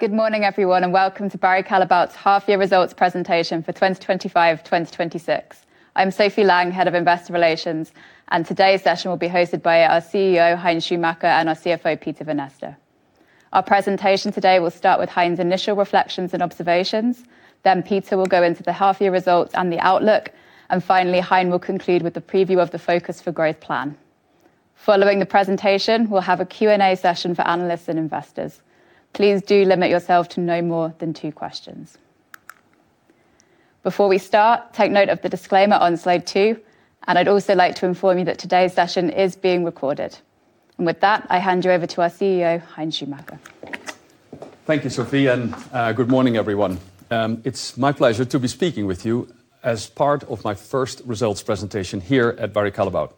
Good morning, everyone, and welcome to Barry Callebaut's half year results presentation for 2025, 2026. I'm Sophie Lang, Head of Investor Relations, and today's session will be hosted by our CEO, Hein Schumacher, and our CFO, Peter Vanneste. Our presentation today will start with Hein's initial reflections and observations. Then Peter will go into the half year results and the outlook. Finally, Hein will conclude with the preview of the Focus for Growth plan. Following the presentation, we'll have a Q&A session for analysts and investors. Please do limit yourself to no more than two questions. Before we start, take note of the disclaimer on slide two, and I'd also like to inform you that today's session is being recorded. With that, I hand you over to our CEO, Hein Schumacher. Thank you, Sophie, and good morning, everyone. It's my pleasure to be speaking with you as part of my first results presentation here at Barry Callebaut.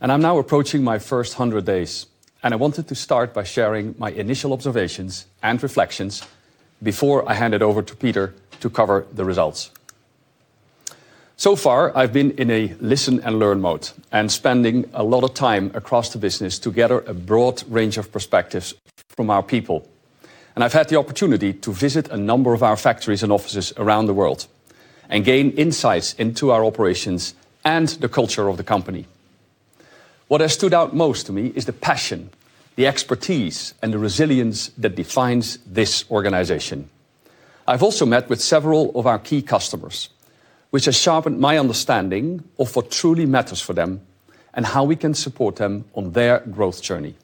I'm now approaching my first 100 days, and I wanted to start by sharing my initial observations and reflections before I hand it over to Peter to cover the results. So far, I've been in a listen and learn mode and spending a lot of time across the business to gather a broad range of perspectives from our people. I've had the opportunity to visit a number of our factories and offices around the world and gain insights into our operations and the culture of the company. What has stood out most to me is the passion, the expertise, and the resilience that defines this organization. I've also met with several of our key customers, which has sharpened my understanding of what truly matters for them and how we can support them on their growth journey.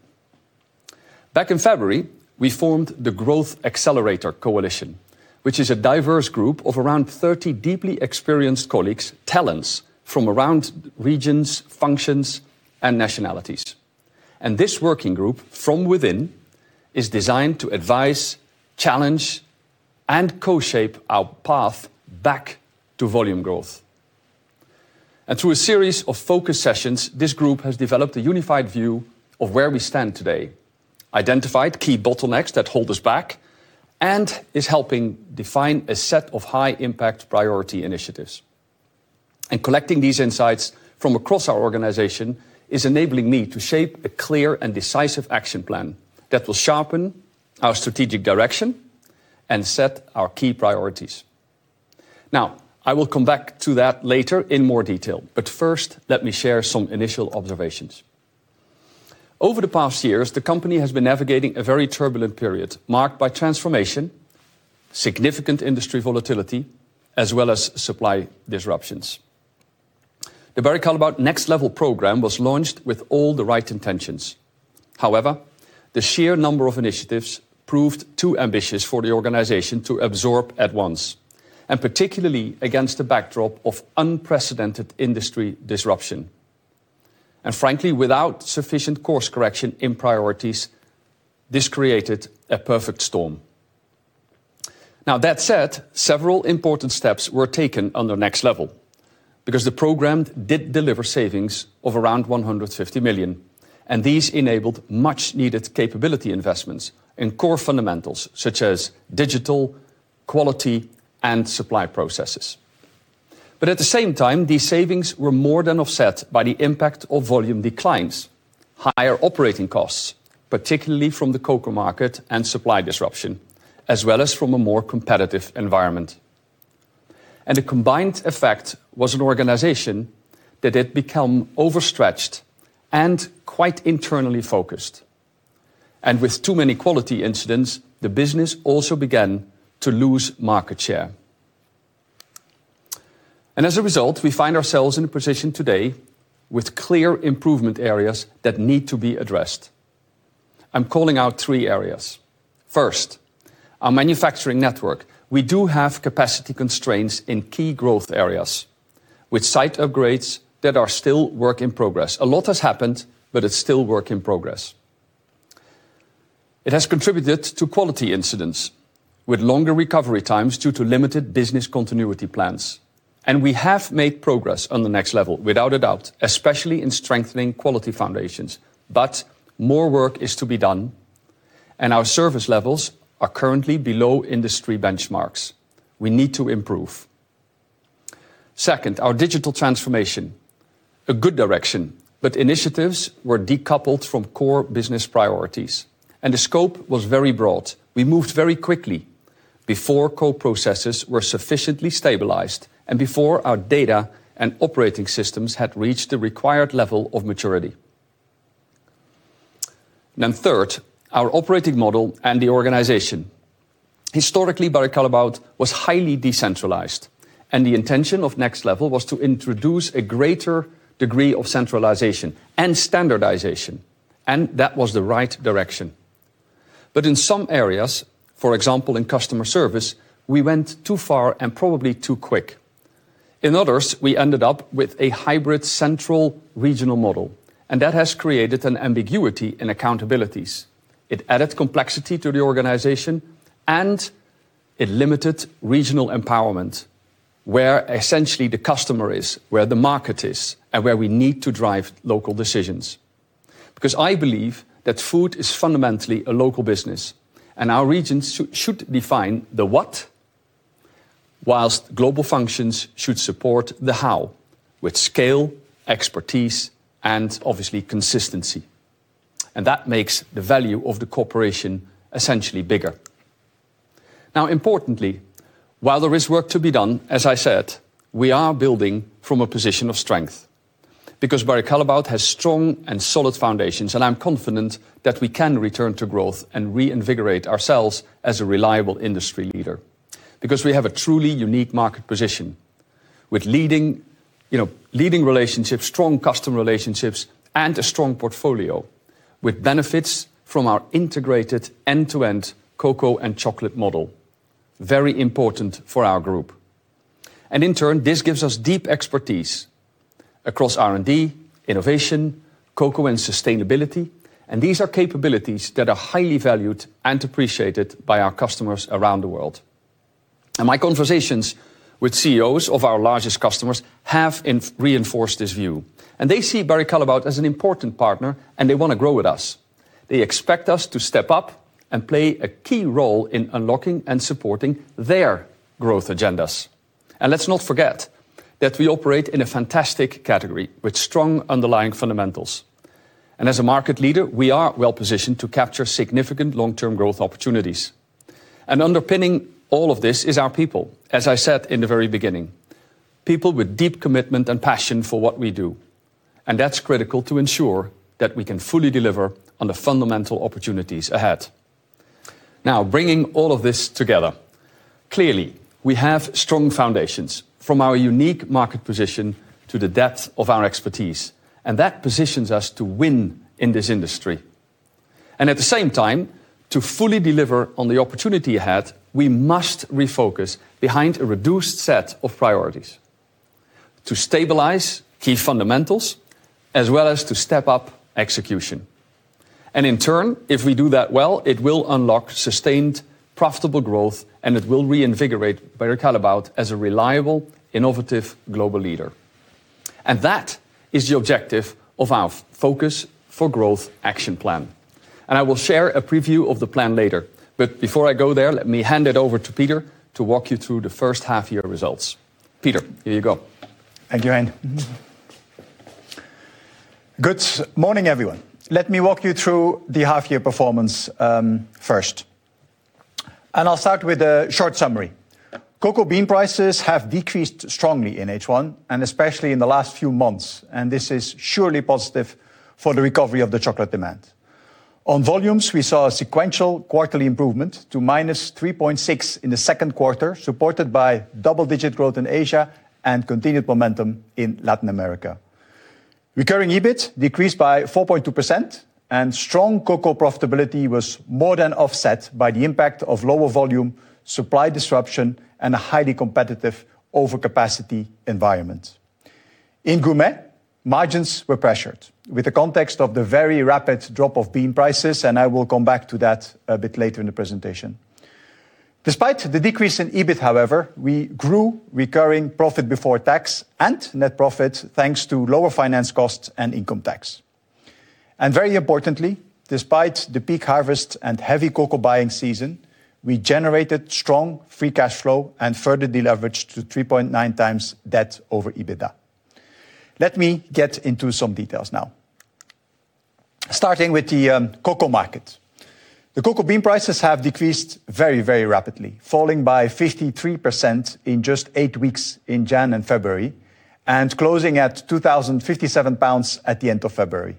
Back in February, we formed the Growth Accelerator Coalition, which is a diverse group of around 30 deeply experienced colleagues, talents from around regions, functions, and nationalities. This working group from within is designed to advise, challenge, and co-shape our path back to volume growth. Through a series of focus sessions, this group has developed a unified view of where we stand today, identified key bottlenecks that hold us back, and is helping define a set of high impact priority initiatives. Collecting these insights from across our organization is enabling me to shape a clear and decisive action plan that will sharpen our strategic direction and set our key priorities. Now, I will come back to that later in more detail, but first let me share some initial observations. Over the past years, the company has been navigating a very turbulent period marked by transformation, significant industry volatility, as well as supply disruptions. The Barry Callebaut Next Level program was launched with all the right intentions. However, the sheer number of initiatives proved too ambitious for the organization to absorb at once, and particularly against the backdrop of unprecedented industry disruption. Frankly, without sufficient course correction in priorities, this created a perfect storm. Now, that said, several important steps were taken on the Next Level because the program did deliver savings of around $150 million, and these enabled much needed capability investments in core fundamentals such as digital, quality, and supply processes. At the same time, these savings were more than offset by the impact of volume declines, higher operating costs, particularly from the cocoa market and supply disruption, as well as from a more competitive environment. The combined effect was an organization that had become overstretched and quite internally focused. With too many quality incidents, the business also began to lose market share. As a result, we find ourselves in a position today with clear improvement areas that need to be addressed. I'm calling out three areas. First, our manufacturing network. We do have capacity constraints in key growth areas with site upgrades that are still work in progress. A lot has happened, but it's still work in progress. It has contributed to quality incidents with longer recovery times due to limited business continuity plans. We have made progress on the Next Level without a doubt, especially in strengthening quality foundations, but more work is to be done, and our service levels are currently below industry benchmarks. We need to improve. Second, our digital transformation. A good direction, but initiatives were decoupled from core business priorities, and the scope was very broad. We moved very quickly before co-processes were sufficiently stabilized and before our data and operating systems had reached the required level of maturity. Third, our operating model and the organization. Historically, Barry Callebaut was highly decentralized, and the intention of Next Level was to introduce a greater degree of centralization and standardization, and that was the right direction. In some areas, for example, in customer service, we went too far and probably too quick. In others, we ended up with a hybrid central regional model, and that has created an ambiguity in accountabilities. It added complexity to the organization, and it limited regional empowerment, where essentially the customer is, where the market is, and where we need to drive local decisions. Because I believe that food is fundamentally a local business, and our regions should define the what, while global functions should support the how with scale, expertise, and obviously consistency. That makes the value of the cooperation essentially bigger. Now importantly, while there is work to be done, as I said, we are building from a position of strength, because Barry Callebaut has strong and solid foundations, and I'm confident that we can return to growth and reinvigorate ourselves as a reliable industry leader. Because we have a truly unique market position with leading relationships, strong customer relationships, and a strong portfolio with benefits from our integrated end-to-end cocoa and chocolate model, very important for our group. In turn, this gives us deep expertise across R&D, innovation, cocoa and sustainability, and these are capabilities that are highly valued and appreciated by our customers around the world. My conversations with CEOs of our largest customers have reinforced this view, and they see Barry Callebaut as an important partner and they want to grow with us. They expect us to step up and play a key role in unlocking and supporting their growth agendas. Let's not forget that we operate in a fantastic category with strong underlying fundamentals. As a market leader, we are well-positioned to capture significant long-term growth opportunities. Underpinning all of this is our people, as I said in the very beginning, people with deep commitment and passion for what we do. That's critical to ensure that we can fully deliver on the fundamental opportunities ahead. Now, bringing all of this together, clearly, we have strong foundations from our unique market position to the depth of our expertise, and that positions us to win in this industry. At the same time, to fully deliver on the opportunity ahead, we must refocus behind a reduced set of priorities to stabilize key fundamentals as well as to step up execution. In turn, if we do that well, it will unlock sustained profitable growth, and it will reinvigorate Barry Callebaut as a reliable, innovative global leader. That is the objective of our Focus for Growth action plan. I will share a preview of the plan later. Before I go there, let me hand it over to Peter to walk you through the first half year results. Peter, here you go. Thank you, Hein. Mm-hmm. Good morning, everyone. Let me walk you through the half year performance, first, and I'll start with a short summary. Cocoa bean prices have decreased strongly in H1 and especially in the last few months, and this is surely positive for the recovery of the chocolate demand. On volumes, we saw a sequential quarterly improvement to -3.6 in the second quarter, supported by double-digit growth in Asia and continued momentum in Latin America. Recurring EBIT decreased by 4.2%, and strong cocoa profitability was more than offset by the impact of lower volume, supply disruption, and a highly competitive overcapacity environment. In Gourmet, margins were pressured with the context of the very rapid drop of bean prices, and I will come back to that a bit later in the presentation. Despite the decrease in EBIT, however, we grew recurring profit before tax and net profit thanks to lower finance costs and income tax. Very importantly, despite the peak harvest and heavy cocoa buying season, we generated strong free cash flow and further deleveraged to 3.9 times debt over EBITDA. Let me get into some details now. Starting with the cocoa market. The cocoa bean prices have decreased very, very rapidly, falling by 53% in just eight weeks in January and February, and closing at 2,057 pounds at the end of February.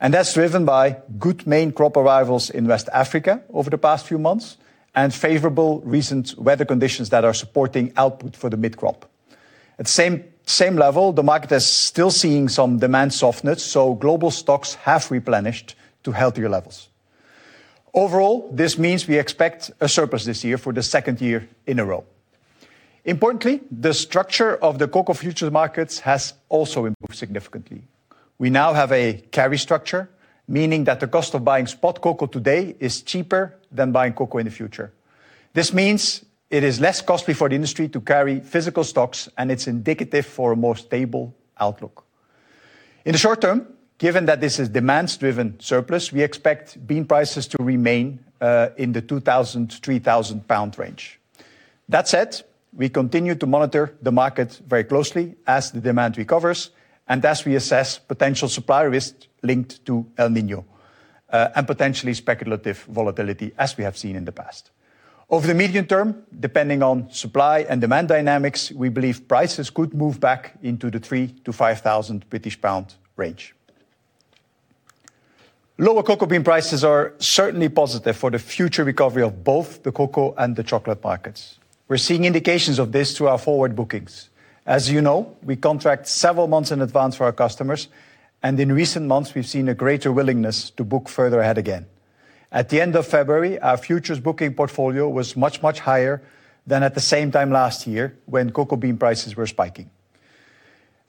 That's driven by good main crop arrivals in West Africa over the past few months and favorable recent weather conditions that are supporting output for the mid-crop. At same level, the market is still seeing some demand softness, so global stocks have replenished to healthier levels. Overall, this means we expect a surplus this year for the second year in a row. Importantly, the structure of the cocoa futures markets has also improved significantly. We now have a carry structure, meaning that the cost of buying spot cocoa today is cheaper than buying cocoa in the future. This means it is less costly for the industry to carry physical stocks, and it's indicative for a more stable outlook. In the short term, given that this is demand-driven surplus, we expect bean prices to remain in the 2,000-3,000 pound range. That said, we continue to monitor the market very closely as the demand recovers and as we assess potential supply risks linked to El Niño and potentially speculative volatility as we have seen in the past. Over the medium term, depending on supply and demand dynamics, we believe prices could move back into the 3,000-5,000 British pound range. Lower cocoa bean prices are certainly positive for the future recovery of both the cocoa and the chocolate markets. We're seeing indications of this through our forward bookings. As you know, we contract several months in advance for our customers, and in recent months, we've seen a greater willingness to book further ahead again. At the end of February, our futures booking portfolio was much, much higher than at the same time last year when cocoa bean prices were spiking.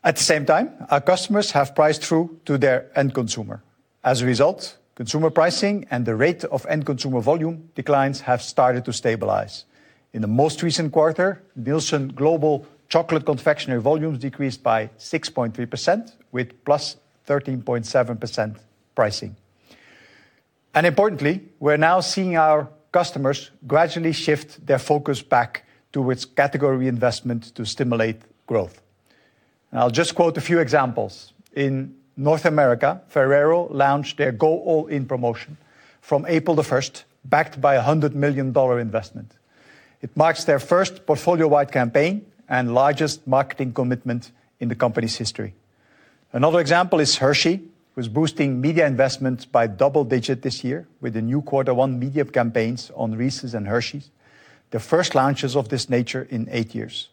At the same time, our customers have priced through to their end consumer. As a result, consumer pricing and the rate of end consumer volume declines have started to stabilize. In the most recent quarter, Nielsen global chocolate confectionery volumes decreased by 6.3% with +13.7% pricing. Importantly, we're now seeing our customers gradually shift their focus back towards category investment to stimulate growth. I'll just quote a few examples. In North America, Ferrero launched their Go All In promotion from April 1, backed by $100 million investment. It marks their first portfolio-wide campaign and largest marketing commitment in the company's history. Another example is Hershey, who's boosting media investments by double-digit this year with the new quarter one media campaigns on Reese's and Hershey's, the first launches of this nature in eight years.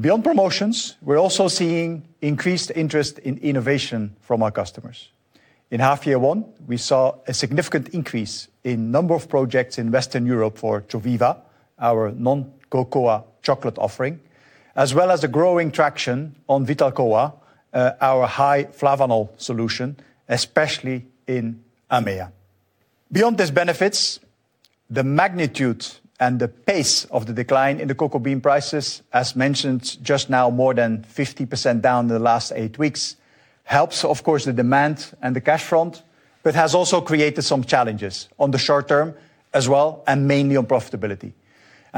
Beyond promotions, we're also seeing increased interest in innovation from our customers. In half year one, we saw a significant increase in number of projects in Western Europe for Joviva, our non-cocoa chocolate offering, as well as the growing traction on VitalCacao, our high-flavanol solution, especially in EMEA. Beyond these benefits, the magnitude and the pace of the decline in the cocoa bean prices, as mentioned just now, more than 50% down in the last eight weeks, helps, of course, the demand and the cash front, but has also created some challenges on the short term as well, and mainly on profitability.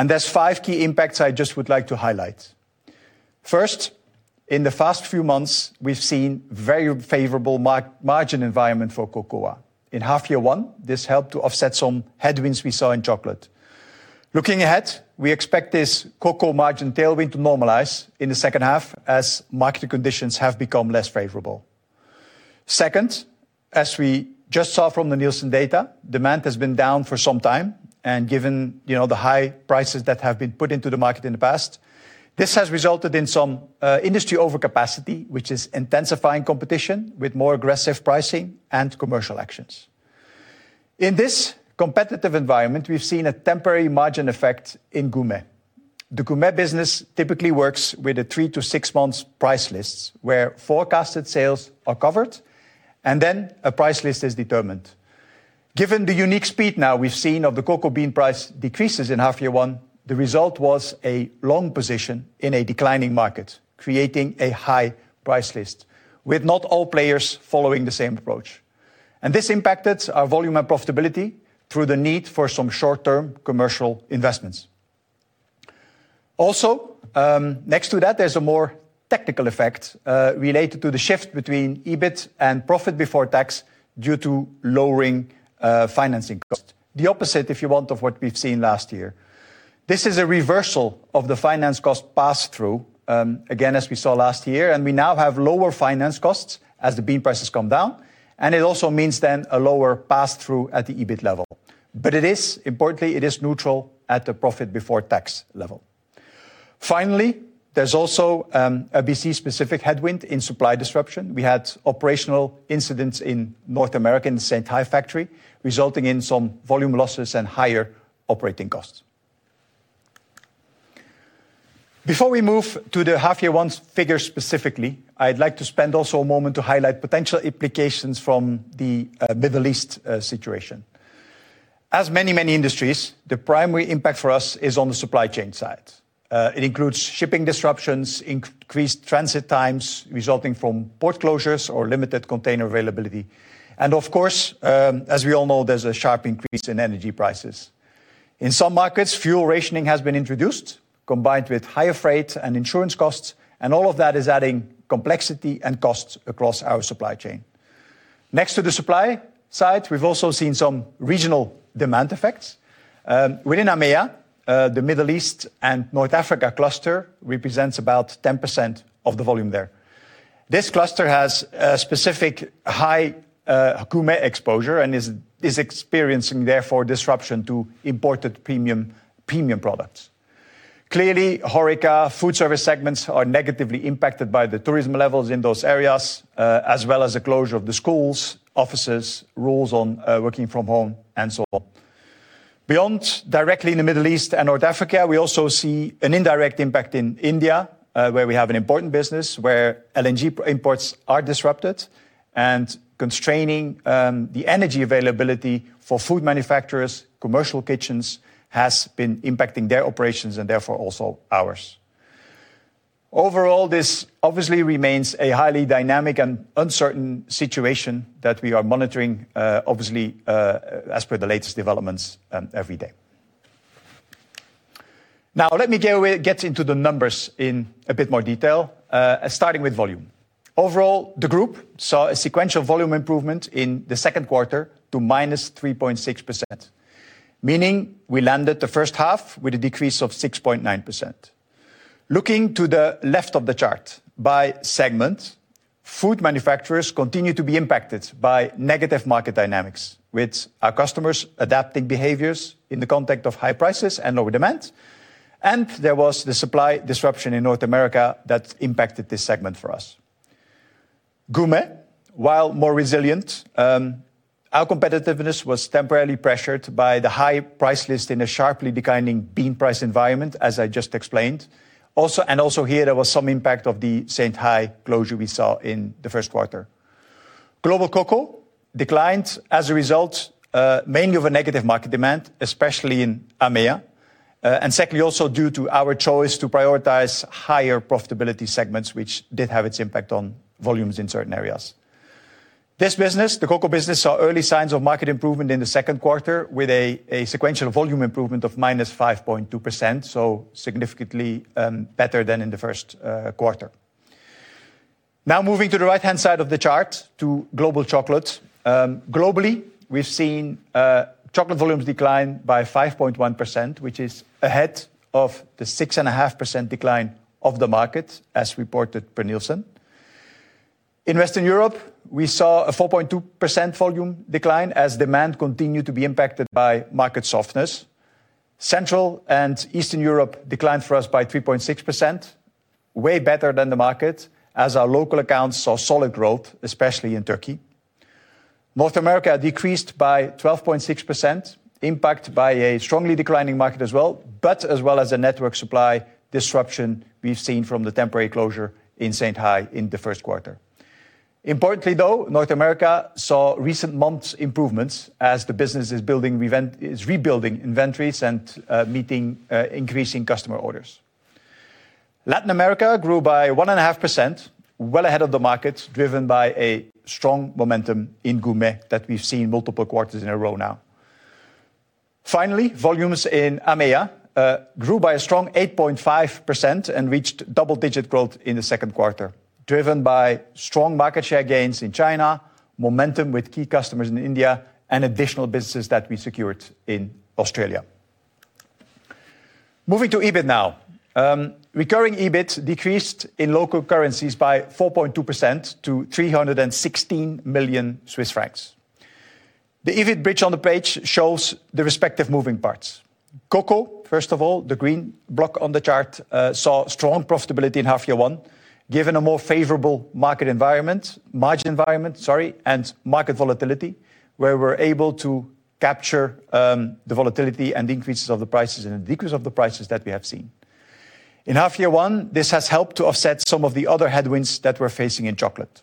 There's five key impacts I just would like to highlight. First, in the past few months, we've seen very favorable margin environment for cocoa. In half year one, this helped to offset some headwinds we saw in chocolate. Looking ahead, we expect this cocoa margin tailwind to normalize in the second half as market conditions have become less favorable. Second, as we just saw from the Nielsen data, demand has been down for some time, and given the high prices that have been put into the market in the past, this has resulted in some industry overcapacity, which is intensifying competition with more aggressive pricing and commercial actions. In this competitive environment, we've seen a temporary margin effect in Gourmet. The Gourmet business typically works with a three to six months price lists, where forecasted sales are covered, and then a price list is determined. Given the unique speed now we've seen of the cocoa bean price decreases in half year one, the result was a long position in a declining market, creating a high price list, with not all players following the same approach. This impacted our volume and profitability through the need for some short-term commercial investments. Also, next to that, there's a more technical effect related to the shift between EBIT and profit before tax due to lowering financing costs. The opposite, if you want, of what we've seen last year. This is a reversal of the finance cost pass-through, again, as we saw last year, and we now have lower finance costs as the bean prices come down, and it also means then a lower pass-through at the EBIT level. But it is, importantly, it is neutral at the profit before tax level. Finally, there's also a BC-specific headwind in supply disruption. We had operational incidents in North American Saint-Hyacinthe factory, resulting in some volume losses and higher operating costs. Before we move to the half year one figure specifically, I'd like to spend also a moment to highlight potential implications from the Middle East situation. As in many industries, the primary impact for us is on the supply chain side. It includes shipping disruptions, increased transit times resulting from port closures or limited container availability. Of course, as we all know, there's a sharp increase in energy prices. In some markets, fuel rationing has been introduced, combined with higher freight and insurance costs, and all of that is adding complexity and costs across our supply chain. Next to the supply side, we've also seen some regional demand effects. Within EMEA, the Middle East and North Africa cluster represents about 10% of the volume there. This cluster has a specific high Gourmet exposure and is experiencing, therefore, disruption to imported premium products. Clearly, HORECA, food service segments are negatively impacted by the tourism levels in those areas, as well as the closure of the schools, offices, rules on working from home, and so on. Beyond directly in the Middle East and North Africa, we also see an indirect impact in India, where we have an important business where LNG imports are disrupted and constraining the energy availability for food manufacturers, commercial kitchens has been impacting their operations and therefore also ours. Overall, this obviously remains a highly dynamic and uncertain situation that we are monitoring, obviously, as per the latest developments every day. Now let me get into the numbers in a bit more detail, starting with volume. Overall, the group saw a sequential volume improvement in the second quarter to -3.6%, meaning we landed the first half with a decrease of 6.9%. Looking to the left of the chart, by segment, food manufacturers continue to be impacted by negative market dynamics, with our customers adapting behaviors in the context of high prices and low demand. There was the supply disruption in North America that impacted this segment for us. Gourmet, while more resilient, our competitiveness was temporarily pressured by the high price list in a sharply declining bean price environment, as I just explained. Here, there was some impact of the Saint-Hyacinthe closure we saw in the first quarter. Global Cocoa declined as a result, mainly of a negative market demand, especially in EMEA. Secondly, also due to our choice to prioritize higher profitability segments, which did have its impact on volumes in certain areas. This business, the cocoa business, saw early signs of market improvement in the second quarter with a sequential volume improvement of -5.2%, so significantly better than in the first quarter. Now moving to the right-hand side of the chart to global chocolate. Globally, we've seen chocolate volumes decline by 5.1%, which is ahead of the 6.5% decline of the market as reported by Nielsen. In Western Europe, we saw a 4.2% volume decline as demand continued to be impacted by market softness. Central and Eastern Europe declined for us by 3.6%, way better than the market as our local accounts saw solid growth, especially in Turkey. North America decreased by 12.6%, impacted by a strongly declining market as well, but as well as a network supply disruption we've seen from the temporary closure in Saint-Hyacinthe in the first quarter. Importantly, though, North America saw recent months improvements as the business is rebuilding inventories and meeting increasing customer orders. Latin America grew by 1.5%, well ahead of the market, driven by a strong momentum in Gourmet that we've seen multiple quarters in a row now. Finally, volumes in EMEA grew by a strong 8.5% and reached double-digit growth in the second quarter, driven by strong market share gains in China, momentum with key customers in India, and additional business that we secured in Australia. Moving to EBIT now. Recurring EBIT decreased in local currencies by 4.2% to 316 million Swiss francs. The EBIT bridge on the page shows the respective moving parts. Cocoa, first of all, the green block on the chart, saw strong profitability in half year one, given a more favorable market environment, margin environment, sorry, and market volatility, where we're able to capture the volatility and increases of the prices and the decrease of the prices that we have seen. In half year one, this has helped to offset some of the other headwinds that we're facing in chocolate.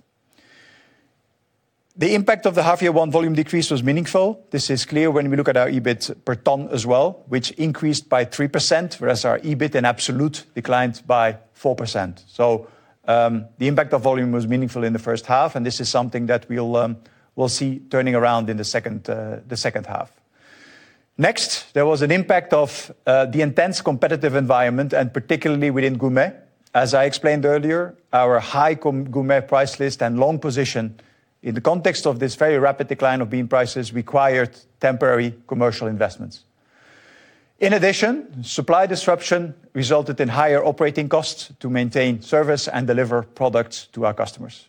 The impact of the half year one volume decrease was meaningful. This is clear when we look at our EBIT per ton as well, which increased by 3%, whereas our EBIT in absolute declined by 4%. The impact of volume was meaningful in the first half, and this is something that we'll see turning around in the second half. Next, there was an impact of the intense competitive environment, and particularly within Gourmet. As I explained earlier, our high Gourmet price list and long position in the context of this very rapid decline of bean prices required temporary commercial investments. In addition, supply disruption resulted in higher operating costs to maintain service and deliver products to our customers.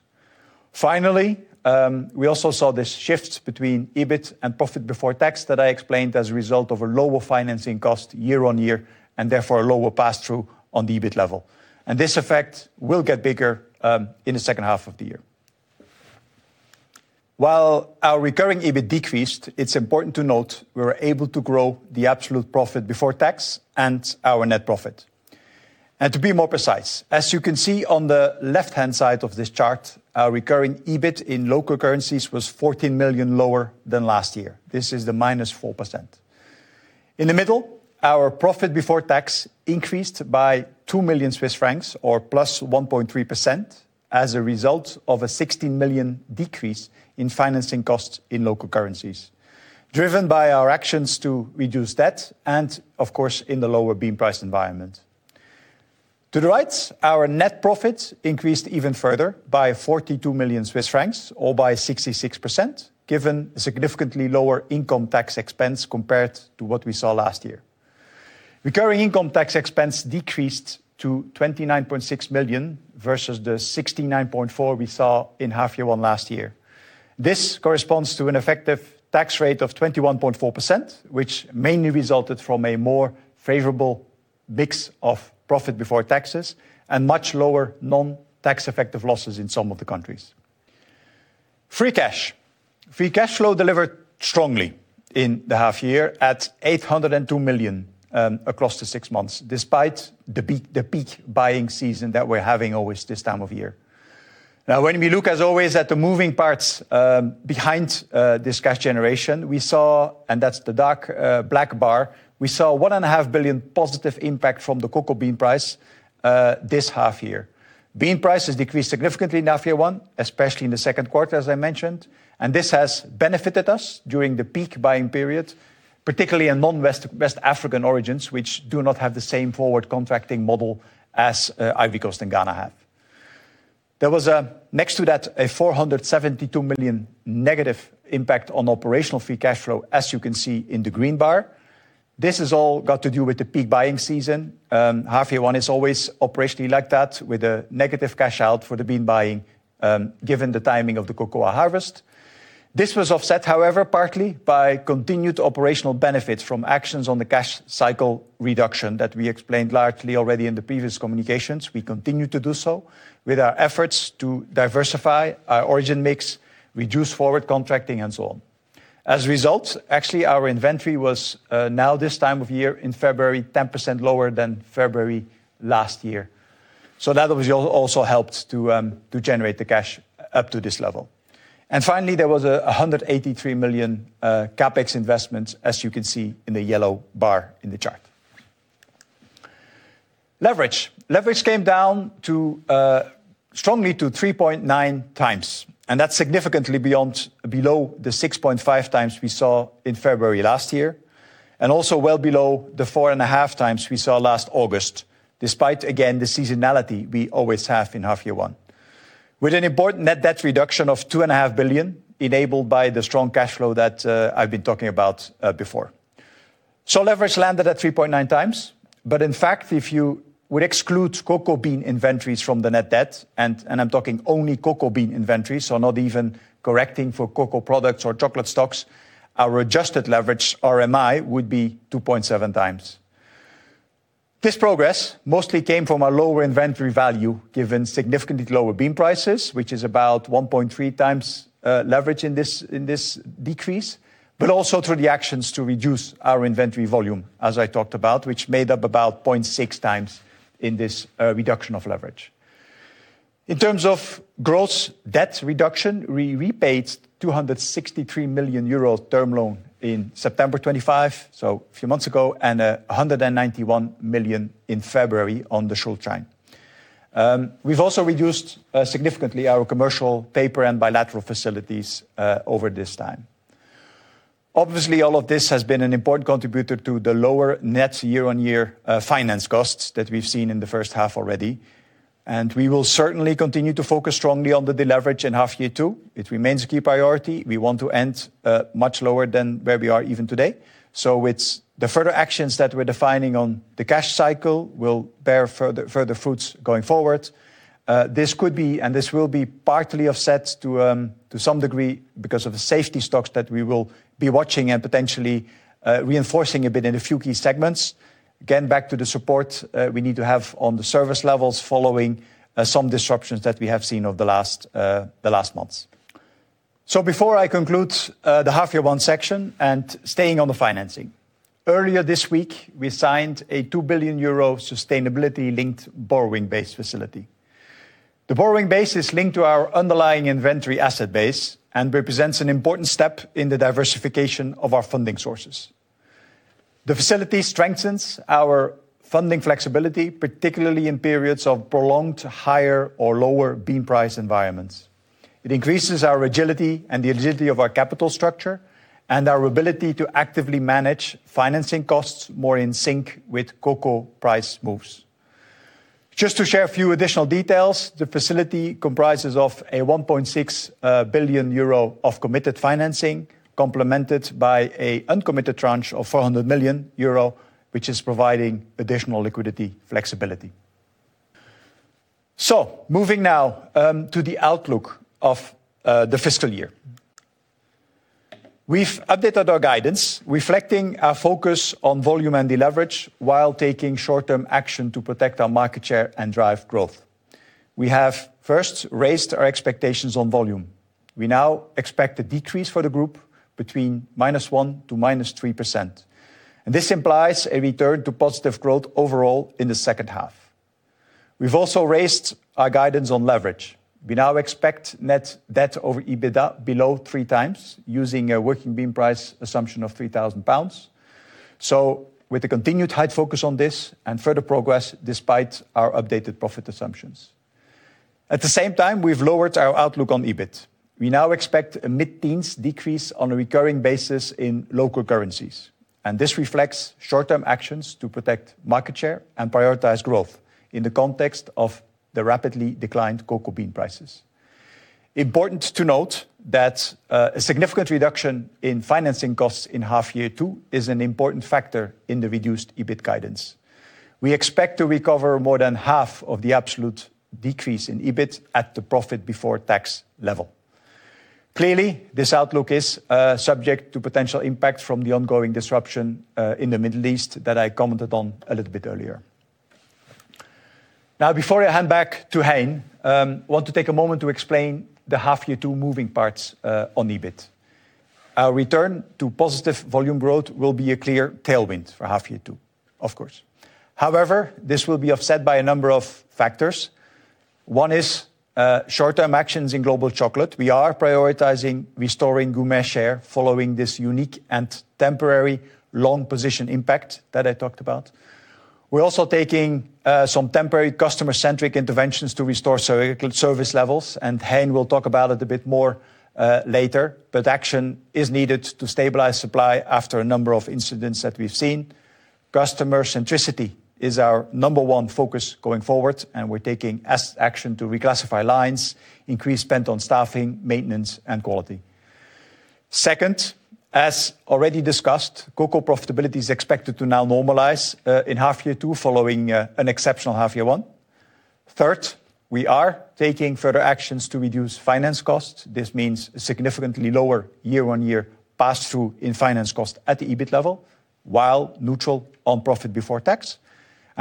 Finally, we also saw this shift between EBIT and profit before tax that I explained as a result of a lower financing cost year-on-year, and therefore a lower pass-through on the EBIT level. This effect will get bigger in the second half of the year. While our recurring EBIT decreased, it's important to note we were able to grow the absolute profit before tax and our net profit. To be more precise, as you can see on the left-hand side of this chart, our recurring EBIT in local currencies was 14 million lower than last year. This is the -4%. In the middle, our profit before tax increased by 2 million Swiss francs or +1.3% as a result of a 16 million decrease in financing costs in local currencies, driven by our actions to reduce debt and, of course, in the lower bean price environment. To the right, our net profit increased even further by 42 million Swiss francs or by 66%, given significantly lower income tax expense compared to what we saw last year. Recurring income tax expense decreased to 29.6 million versus the 69.4 million we saw in half year one last year. This corresponds to an effective tax rate of 21.4%, which mainly resulted from a more favorable mix of profit before taxes and much lower non-tax effective losses in some of the countries. Free cash. Free cash flow delivered strongly in the half year at 802 million across the six months, despite the peak buying season that we're having always this time of year. Now when we look as always at the moving parts behind this cash generation, we saw, and that's the dark black bar, we saw 1.5 billion positive impact from the cocoa bean price this half year. Bean prices decreased significantly in half year one, especially in the second quarter, as I mentioned. This has benefited us during the peak buying period, particularly in non-West African origins, which do not have the same forward contracting model as Ivory Coast and Ghana have. There was next to that, a 472 million negative impact on operational free cash flow, as you can see in the green bar. This has all got to do with the peak buying season. Half year one is always operationally like that with a negative cash out for the bean buying, given the timing of the cocoa harvest. This was offset, however, partly by continued operational benefits from actions on the cash cycle reduction that we explained largely already in the previous communications. We continue to do so with our efforts to diversify our origin mix, reduce forward contracting, and so on. As a result, actually, our inventory was now this time of year in February, 10% lower than February last year. That also helped to generate the cash up to this level. Finally, there was a 183 million CapEx investment, as you can see in the yellow bar in the chart. Leverage. Leverage came down strongly to 3.9 times, and that's significantly below the 6.5 times we saw in February last year, and also well below the 4.5 times we saw last August, despite, again, the seasonality we always have in half year one. With an important net debt reduction of 2.5 billion enabled by the strong cash flow that I've been talking about before. Leverage landed at 3.9 times. In fact, if you would exclude cocoa bean inventories from the net debt, and I'm talking only cocoa bean inventories, so not even correcting for cocoa products or chocolate stocks, our adjusted leverage ex-RMI would be 2.7 times. This progress mostly came from a lower inventory value given significantly lower bean prices, which is about 1.3 times leverage in this decrease, but also through the actions to reduce our inventory volume as I talked about, which made up about 0.6 times in this reduction of leverage. In terms of gross debt reduction, we repaid 263 million euro term loan in September 2025, so a few months ago, and 191 million in February on the short-term. We've also reduced significantly our commercial paper and bilateral facilities over this time. Obviously, all of this has been an important contributor to the lower net year-on-year finance costs that we've seen in the first half already, and we will certainly continue to focus strongly on the deleverage in half year two. It remains a key priority. We want to end much lower than where we are even today. With the further actions that we're defining on the cash cycle will bear further fruits going forward. This could be, and this will be partly offset to some degree because of the safety stocks that we will be watching and potentially reinforcing a bit in a few key segments. Again, back to the support we need to have on the service levels following some disruptions that we have seen over the last months. Before I conclude the half year one section, and staying on the financing. Earlier this week, we signed a €2 billion sustainability-linked borrowing base facility. The borrowing base is linked to our underlying inventory asset base and represents an important step in the diversification of our funding sources. The facility strengthens our funding flexibility, particularly in periods of prolonged higher or lower bean price environments. It increases our agility and the agility of our capital structure and our ability to actively manage financing costs more in sync with cocoa price moves. Just to share a few additional details, the facility comprises of a 1.6 billion euro of committed financing, complemented by an uncommitted tranche of 400 million euro, which is providing additional liquidity flexibility. Moving now to the outlook of the fiscal year. We've updated our guidance reflecting our focus on volume and deleverage while taking short-term action to protect our market share and drive growth. We have first raised our expectations on volume. We now expect a decrease for the group between -1% to -3%. This implies a return to positive growth overall in the second half. We've also raised our guidance on leverage. We now expect net debt over EBIT below three times using a cocoa bean price assumption of 3,000 pounds. With the continued tight focus on this and further progress despite our updated profit assumptions. At the same time, we've lowered our outlook on EBIT. We now expect a mid-teens decrease on a recurring basis in local currencies, and this reflects short-term actions to protect market share and prioritize growth in the context of the rapidly declined cocoa bean prices. Important to note that a significant reduction in financing costs in half year two is an important factor in the reduced EBIT guidance. We expect to recover more than half of the absolute decrease in EBIT at the profit before tax level. Clearly, this outlook is subject to potential impact from the ongoing disruption in the Middle East that I commented on a little bit earlier. Now, before I hand back to Hein, I want to take a moment to explain the half year two moving parts on EBIT. Our return to positive volume growth will be a clear tailwind for half year two, of course. However, this will be offset by a number of factors. One is short-term actions in global chocolate. We are prioritizing restoring Gourmet share following this unique and temporary long position impact that I talked about. We're also taking some temporary customer-centric interventions to restore service levels, and Hein will talk about it a bit more later, but action is needed to stabilize supply after a number of incidents that we've seen. Customer centricity is our number one focus going forward, and we're taking action to reclassify lines, increase spend on staffing, maintenance, and quality. Second, as already discussed, cocoa profitability is expected to now normalize in half year two following an exceptional half year one. Third, we are taking further actions to reduce finance costs. This means significantly lower year-on-year pass-through in finance cost at the EBIT level, while neutral on profit before tax.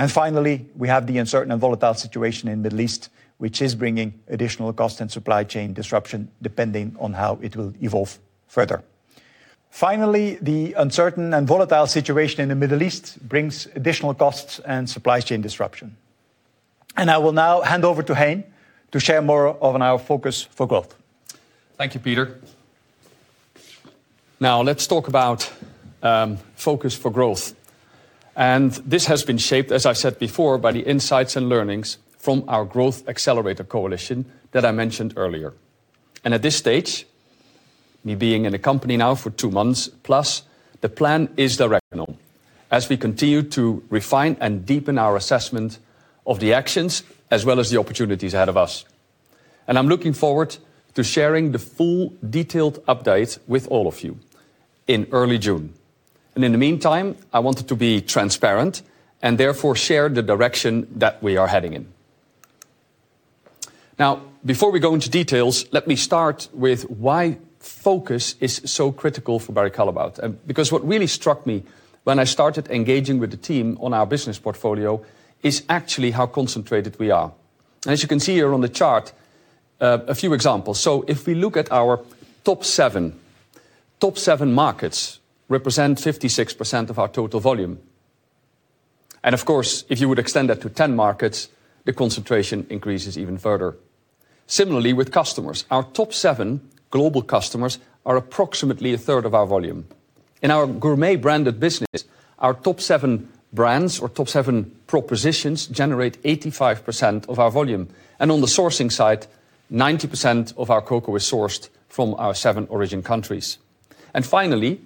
Finally, we have the uncertain and volatile situation in Middle East, which is bringing additional cost and supply chain disruption depending on how it will evolve further. Finally, the uncertain and volatile situation in the Middle East brings additional costs and supply chain disruption. I will now hand over to Hein to share more on our Focus for Growth. Thank you, Peter. Now let's talk about Focus for Growth. This has been shaped, as I said before, by the insights and learnings from our Growth Accelerator Coalition that I mentioned earlier. At this stage, me being in the company now for two months plus, the plan is directional as we continue to refine and deepen our assessment of the actions as well as the opportunities ahead of us. I'm looking forward to sharing the full detailed update with all of you in early June. In the meantime, I wanted to be transparent and therefore share the direction that we are heading in. Now, before we go into details, let me start with why focus is so critical for Barry Callebaut, because what really struck me when I started engaging with the team on our business portfolio is actually how concentrated we are. As you can see here on the chart, a few examples. If we look at our top seven, top seven markets represent 56% of our total volume. Of course, if you would extend that to 10 markets, the concentration increases even further. Similarly, with customers, our top seven global customers are approximately a third of our volume. In our Gourmet branded business, our top seven brands or top seven propositions generate 85% of our volume. On the sourcing side, 90% of our cocoa is sourced from our seven origin countries. Finally,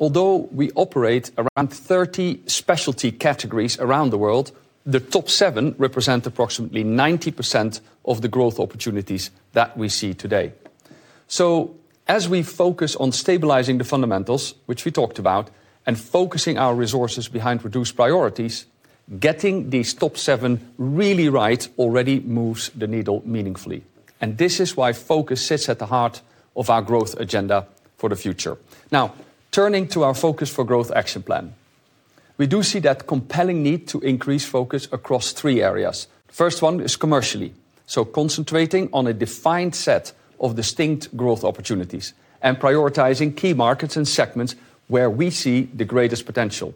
although we operate around 30 specialty categories around the world, the top seven represent approximately 90% of the growth opportunities that we see today. As we focus on stabilizing the fundamentals, which we talked about, and focusing our resources behind reduced priorities, getting these top seven really right already moves the needle meaningfully. This is why focus sits at the heart of our growth agenda for the future. Now, turning to our Focus for Growth action plan. We do see that compelling need to increase focus across three areas. First one is commercially, so concentrating on a defined set of distinct growth opportunities and prioritizing key markets and segments where we see the greatest potential.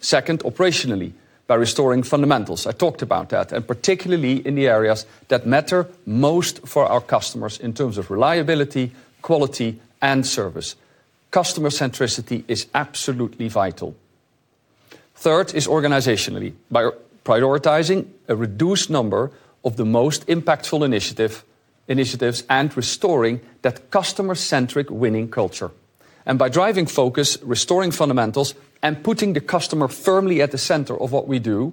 Second, operationally, by restoring fundamentals. I talked about that. Particularly in the areas that matter most for our customers in terms of reliability, quality, and service. Customer centricity is absolutely vital. Third is organizationally, by prioritizing a reduced number of the most impactful initiatives and restoring that customer-centric winning culture. By driving focus, restoring fundamentals, and putting the customer firmly at the center of what we do,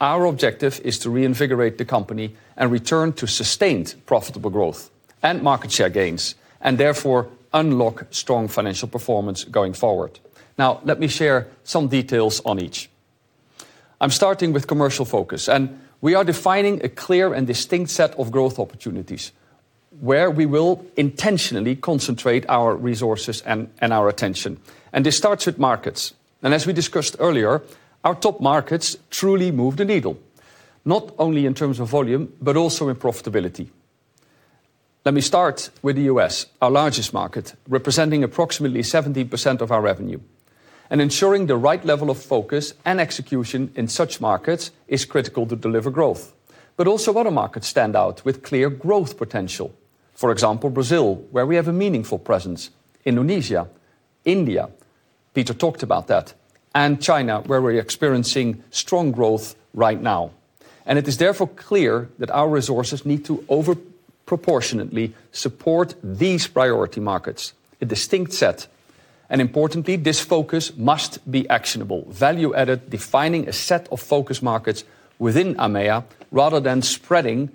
our objective is to reinvigorate the company and return to sustained profitable growth and market share gains, and therefore unlock strong financial performance going forward. Now let me share some details on each. I'm starting with commercial focus, and we are defining a clear and distinct set of growth opportunities where we will intentionally concentrate our resources and our attention, and this starts with markets. As we discussed earlier, our top markets truly move the needle, not only in terms of volume, but also in profitability. Let me start with the U.S., our largest market, representing approximately 70% of our revenue. Ensuring the right level of focus and execution in such markets is critical to deliver growth. Also other markets stand out with clear growth potential. For example, Brazil, where we have a meaningful presence, Indonesia, India, Peter talked about that, and China, where we're experiencing strong growth right now. It is therefore clear that our resources need to disproportionately support these priority markets, a distinct set. Importantly, this focus must be actionable, value-added, defining a set of focus markets within EMEA, rather than spreading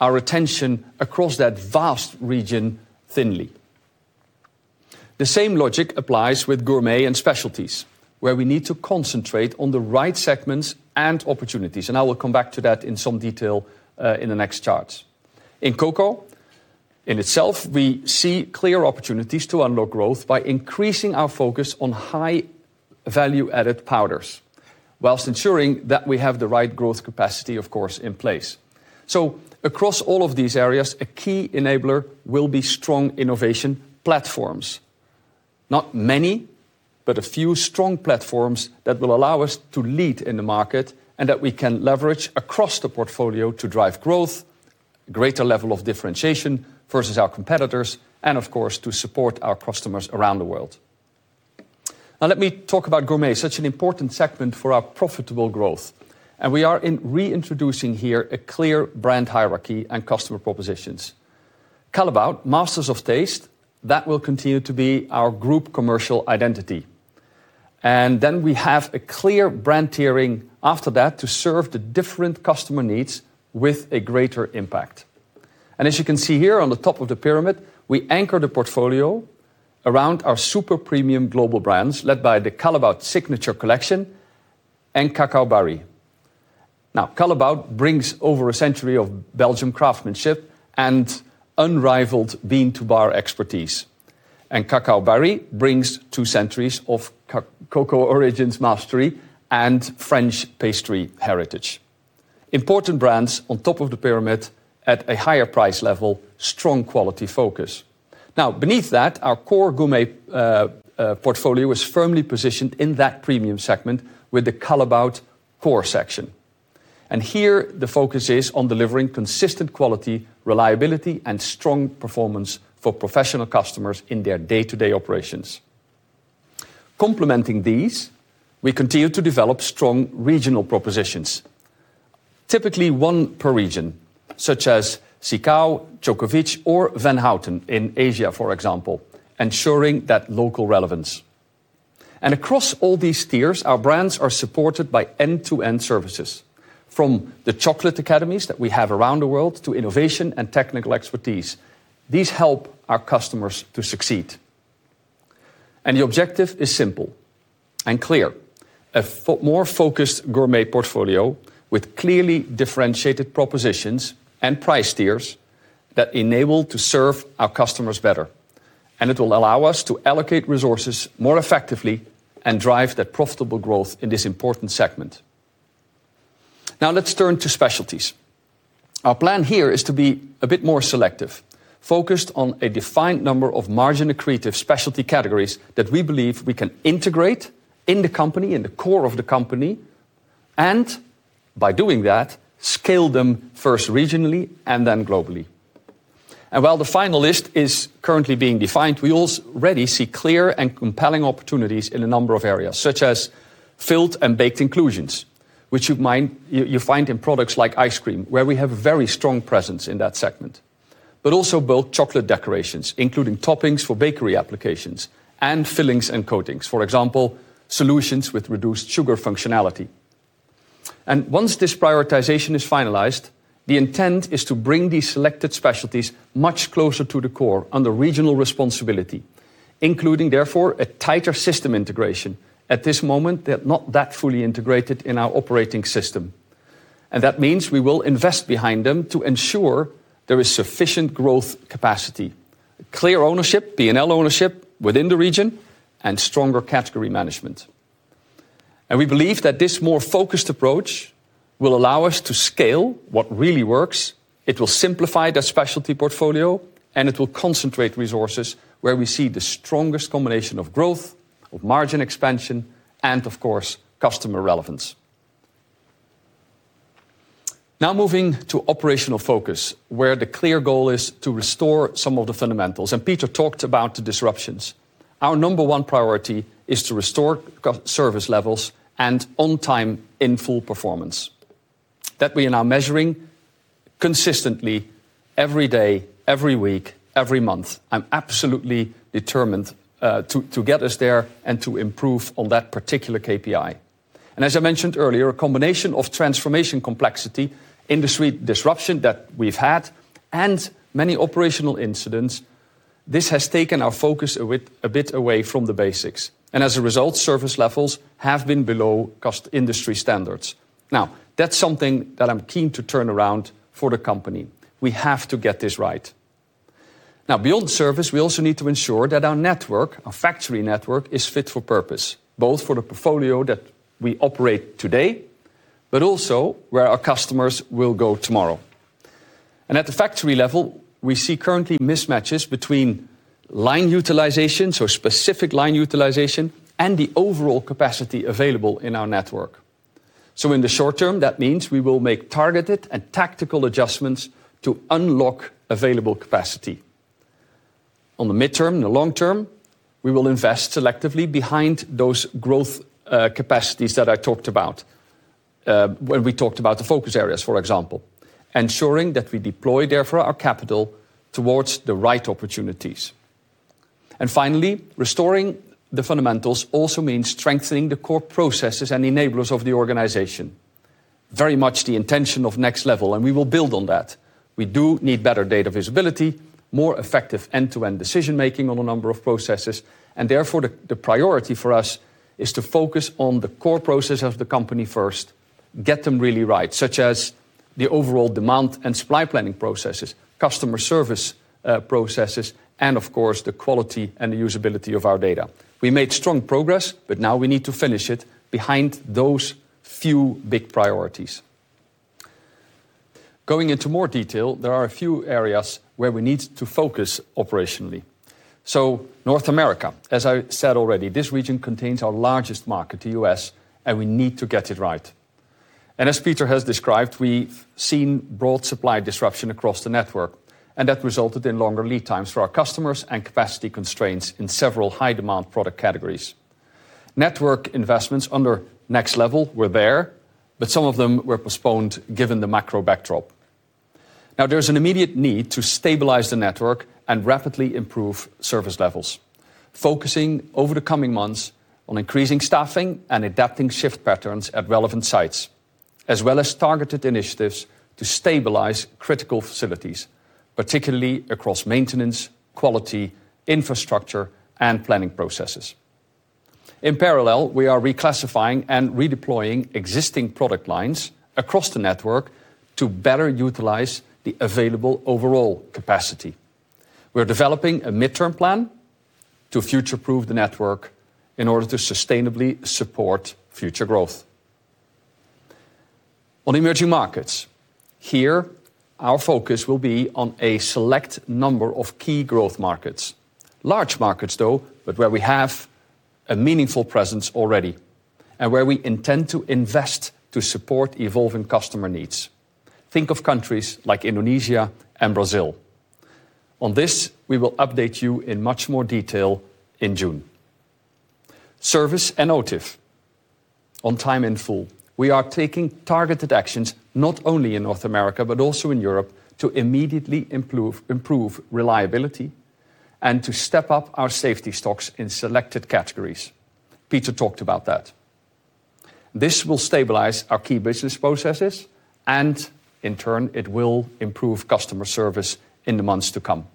our attention across that vast region thinly. The same logic applies with Gourmet and Specialties, where we need to concentrate on the right segments and opportunities, and I will come back to that in some detail in the next charts. In cocoa, in itself, we see clear opportunities to unlock growth by increasing our focus on high value-added powders while ensuring that we have the right growth capacity, of course, in place. Across all of these areas, a key enabler will be strong innovation platforms. Not many, but a few strong platforms that will allow us to lead in the market and that we can leverage across the portfolio to drive growth, greater level of differentiation versus our competitors, and of course, to support our customers around the world. Now let me talk about Gourmet, such an important segment for our profitable growth. We are reintroducing here a clear brand hierarchy and customer propositions. Callebaut, Masters of Taste, that will continue to be our group commercial identity. Then we have a clear brand tiering after that to serve the different customer needs with a greater impact. As you can see here on the top of the pyramid, we anchor the portfolio around our super premium global brands, led by the Callebaut Signature Collection and Cacao Barry. Now Callebaut brings over a century of Belgian craftsmanship and unrivaled bean-to-bar expertise. Cacao Barry brings two centuries of cocoa origins mastery and French pastry heritage. Important brands on top of the pyramid at a higher price level, strong quality focus. Now beneath that, our core Gourmet portfolio is firmly positioned in that premium segment with the Callebaut core section. Here the focus is on delivering consistent quality, reliability, and strong performance for professional customers in their day-to-day operations. Complementing these, we continue to develop strong regional propositions. Typically one per region, such as Sicao, Tjoklat, or Van Houten in Asia, for example, ensuring that local relevance. Across all these tiers, our brands are supported by end-to-end services from the Chocolate Academies that we have around the world to innovation and technical expertise. These help our customers to succeed. The objective is simple and clear, a more focused Gourmet portfolio with clearly differentiated propositions and price tiers that enable to serve our customers better, and it will allow us to allocate resources more effectively and drive that profitable growth in this important segment. Now let's turn to Specialties. Our plan here is to be a bit more selective, focused on a defined number of margin accretive specialty categories that we believe we can integrate in the company, in the core of the company, and by doing that, scale them first regionally and then globally. While the final list is currently being defined, we already see clear and compelling opportunities in a number of areas, such as filled and baked inclusions, which you find in products like ice cream, where we have a very strong presence in that segment, but also bulk chocolate decorations, including toppings for bakery applications and fillings and coatings, for example, solutions with reduced sugar functionality. Once this prioritization is finalized, the intent is to bring these selected specialties much closer to the core under regional responsibility, including, therefore, a tighter system integration. At this moment, they're not that fully integrated in our operating system. That means we will invest behind them to ensure there is sufficient growth capacity, clear ownership, P&L ownership within the region, and stronger category management. We believe that this more focused approach will allow us to scale what really works. It will simplify the specialty portfolio, and it will concentrate resources where we see the strongest combination of growth, of margin expansion, and of course, customer relevance. Now moving to operational focus, where the clear goal is to restore some of the fundamentals. Peter talked about the disruptions. Our number one priority is to restore service levels and on time in full performance that we are now measuring consistently every day, every week, every month. I'm absolutely determined to get us there and to improve on that particular KPI. As I mentioned earlier, a combination of transformation complexity, industry disruption that we've had, and many operational incidents, this has taken our focus a bit away from the basics. As a result, service levels have been below most industry standards. Now, that's something that I'm keen to turn around for the company. We have to get this right. Now, beyond service, we also need to ensure that our network, our factory network, is fit for purpose, both for the portfolio that we operate today, but also where our customers will go tomorrow. At the factory level, we see currently mismatches between line utilization, so specific line utilization and the overall capacity available in our network. In the short term, that means we will make targeted and tactical adjustments to unlock available capacity. On the midterm and the long term, we will invest selectively behind those growth capacities that I talked about when we talked about the focus areas, for example, ensuring that we deploy therefore our capital towards the right opportunities. Finally, restoring the fundamentals also means strengthening the core processes and enablers of the organization. Very much the intention of Next Level, and we will build on that. We do need better data visibility, more effective end-to-end decision-making on a number of processes, and therefore the priority for us is to focus on the core process of the company first, get them really right, such as the overall demand and supply planning processes, customer service processes, and of course, the quality and usability of our data. We made strong progress, but now we need to finish it before those few big priorities. Going into more detail, there are a few areas where we need to focus operationally. North America, as I said already, this region contains our largest market, the U.S., and we need to get it right. As Peter has described, we've seen broad supply disruption across the network, and that resulted in longer lead times for our customers and capacity constraints in several high-demand product categories. Network investments under Next Level were there, but some of them were postponed given the macro backdrop. Now there's an immediate need to stabilize the network and rapidly improve service levels, focusing over the coming months on increasing staffing and adapting shift patterns at relevant sites, as well as targeted initiatives to stabilize critical facilities, particularly across maintenance, quality, infrastructure, and planning processes. In parallel, we are reclassifying and redeploying existing product lines across the network to better utilize the available overall capacity. We're developing a midterm plan to future-proof the network in order to sustainably support future growth. On emerging markets, here our focus will be on a select number of key growth markets. Large markets though, but where we have a meaningful presence already and where we intend to invest to support evolving customer needs. Think of countries like Indonesia and Brazil. On this, we will update you in much more detail in June. Service and OTIF, On Time In Full. We are taking targeted actions not only in North America but also in Europe to immediately improve reliability and to step up our safety stocks in selected categories. Peter talked about that. This will stabilize our key business processes, and in turn, it will improve customer service in the months to come.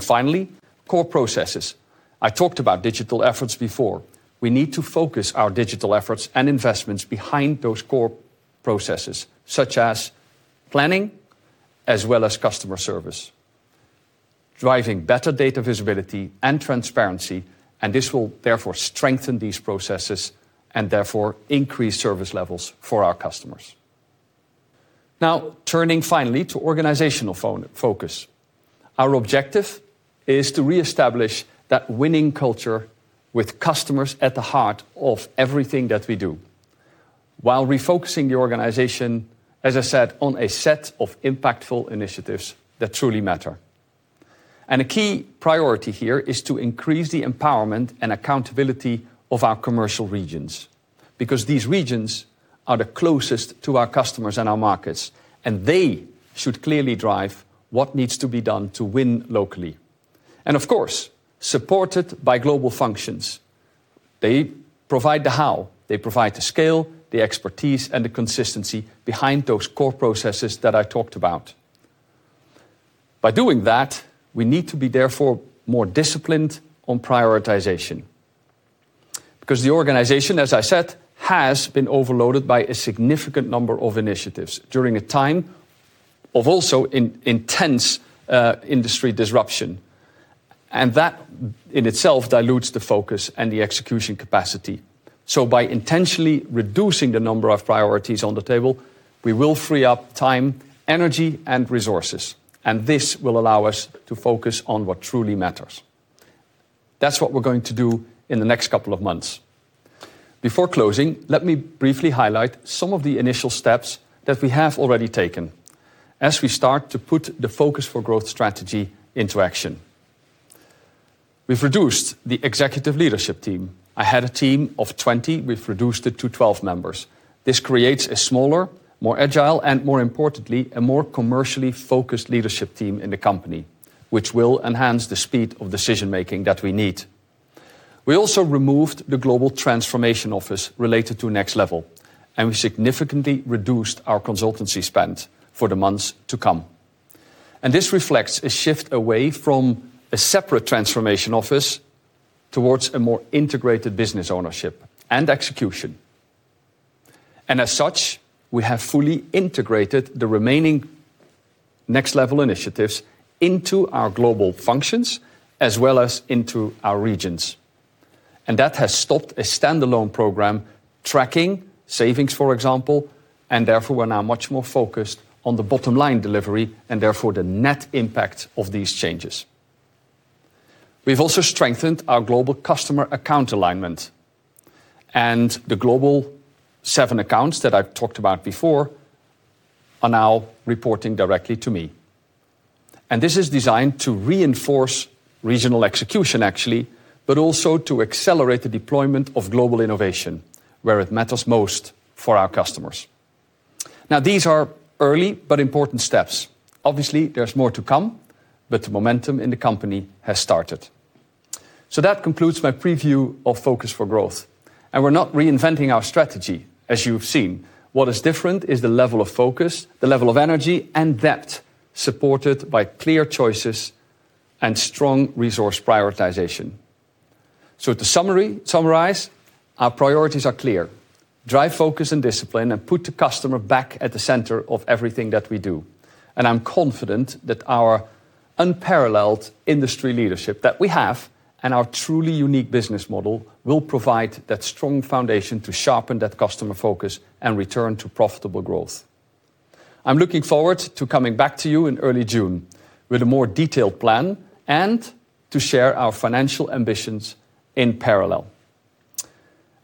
Finally, core processes. I talked about digital efforts before. We need to focus our digital efforts and investments behind those core processes, such as planning as well as customer service, driving better data visibility and transparency, and this will therefore strengthen these processes and therefore increase service levels for our customers. Now, turning finally to organizational focus. Our objective is to reestablish that winning culture with customers at the heart of everything that we do while refocusing the organization, as I said, on a set of impactful initiatives that truly matter. A key priority here is to increase the empowerment and accountability of our commercial regions, because these regions are the closest to our customers and our markets, and they should clearly drive what needs to be done to win locally, supported by global functions. They provide the how, they provide the scale, the expertise, and the consistency behind those core processes that I talked about. By doing that, we need to be therefore more disciplined on prioritization. Because the organization, as I said, has been overloaded by a significant number of initiatives during a time of also intense industry disruption. That in itself dilutes the focus and the execution capacity. By intentionally reducing the number of priorities on the table, we will free up time, energy, and resources, and this will allow us to focus on what truly matters. That's what we're going to do in the next couple of months. Before closing, let me briefly highlight some of the initial steps that we have already taken as we start to put the Focus for Growth strategy into action. We've reduced the executive leadership team. I had a team of 20. We've reduced it to 12 members. This creates a smaller, more agile, and more importantly, a more commercially focused leadership team in the company, which will enhance the speed of decision-making that we need. We also removed the global transformation office related to Next Level, and we significantly reduced our consultancy spend for the months to come. This reflects a shift away from a separate transformation office towards a more integrated business ownership and execution. As such, we have fully integrated the remaining Next Level initiatives into our global functions as well as into our regions. That has stopped a standalone program tracking savings, for example, and therefore we're now much more focused on the bottom line delivery and therefore the net impact of these changes. We've also strengthened our global customer account alignment, and the global seven accounts that I've talked about before are now reporting directly to me. This is designed to reinforce regional execution, actually, but also to accelerate the deployment of global innovation where it matters most for our customers. Now, these are early but important steps. Obviously, there's more to come, but the momentum in the company has started. That concludes my preview of Focus for Growth. We're not reinventing our strategy, as you've seen. What is different is the level of focus, the level of energy, and depth supported by clear choices and strong resource prioritization. To summarize, our priorities are clear. Drive focus and discipline and put the customer back at the center of everything that we do. I'm confident that our unparalleled industry leadership that we have and our truly unique business model will provide that strong foundation to sharpen that customer focus and return to profitable growth. I'm looking forward to coming back to you in early June with a more detailed plan and to share our financial ambitions in parallel.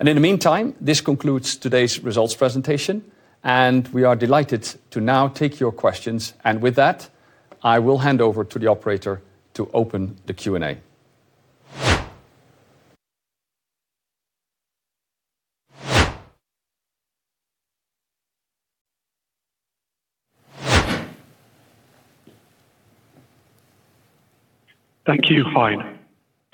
In the meantime, this concludes today's results presentation, and we are delighted to now take your questions. With that, I will hand over to the operator to open the Q&A. Thank you, Hein.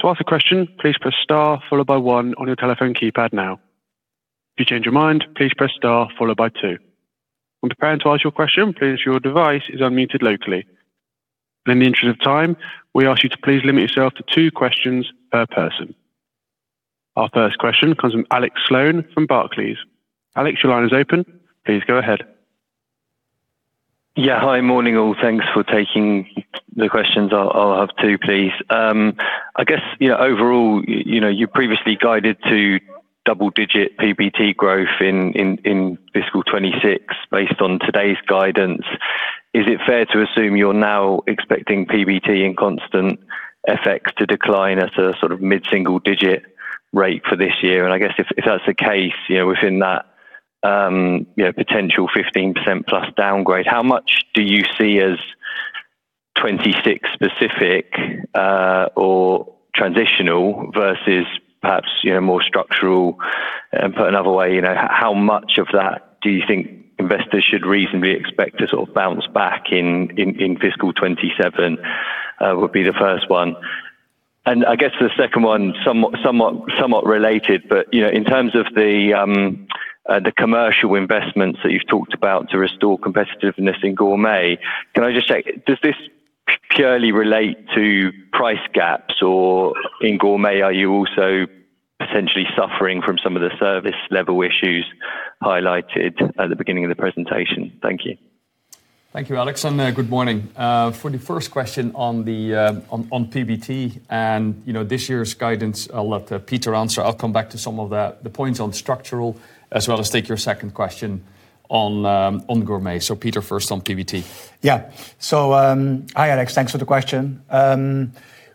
To ask a question, please press star followed by one on your telephone keypad now. If you change your mind, please press star followed by two. When preparing to ask your question, please ensure your device is unmuted locally. In the interest of time, we ask you to please limit yourself to two questions per person. Our first question comes from Alex Sloane from Barclays. Alex, your line is open. Please go ahead. Yeah. Hi. Morning, all. Thanks for taking the questions. I'll have two, please. I guess, overall, you previously guided to double-digit PBT growth in fiscal 2026. Based on today's guidance, is it fair to assume you're now expecting PBT and constant FX to decline at a mid-single-digit rate for this year? I guess if that's the case, within that potential 15%+ downgrade, how much do you see as 2026 specific or transitional versus perhaps more structural? Put another way, how much of that do you think investors should reasonably expect to sort of bounce back in fiscal 2027, would be the first one. I guess the second one, somewhat related. In terms of the commercial investments that you've talked about to restore competitiveness in Gourmet, can I just check, does this purely relate to price gaps? In Gourmet, are you also potentially suffering from some of the service level issues highlighted at the beginning of the presentation? Thank you. Thank you, Alex, and good morning. For the first question on PBT and this year's guidance, I'll let Peter answer. I'll come back to some of the points on structural, as well as take your second question on Gourmet. Peter first on PBT. Yeah. Hi Alex, thanks for the question.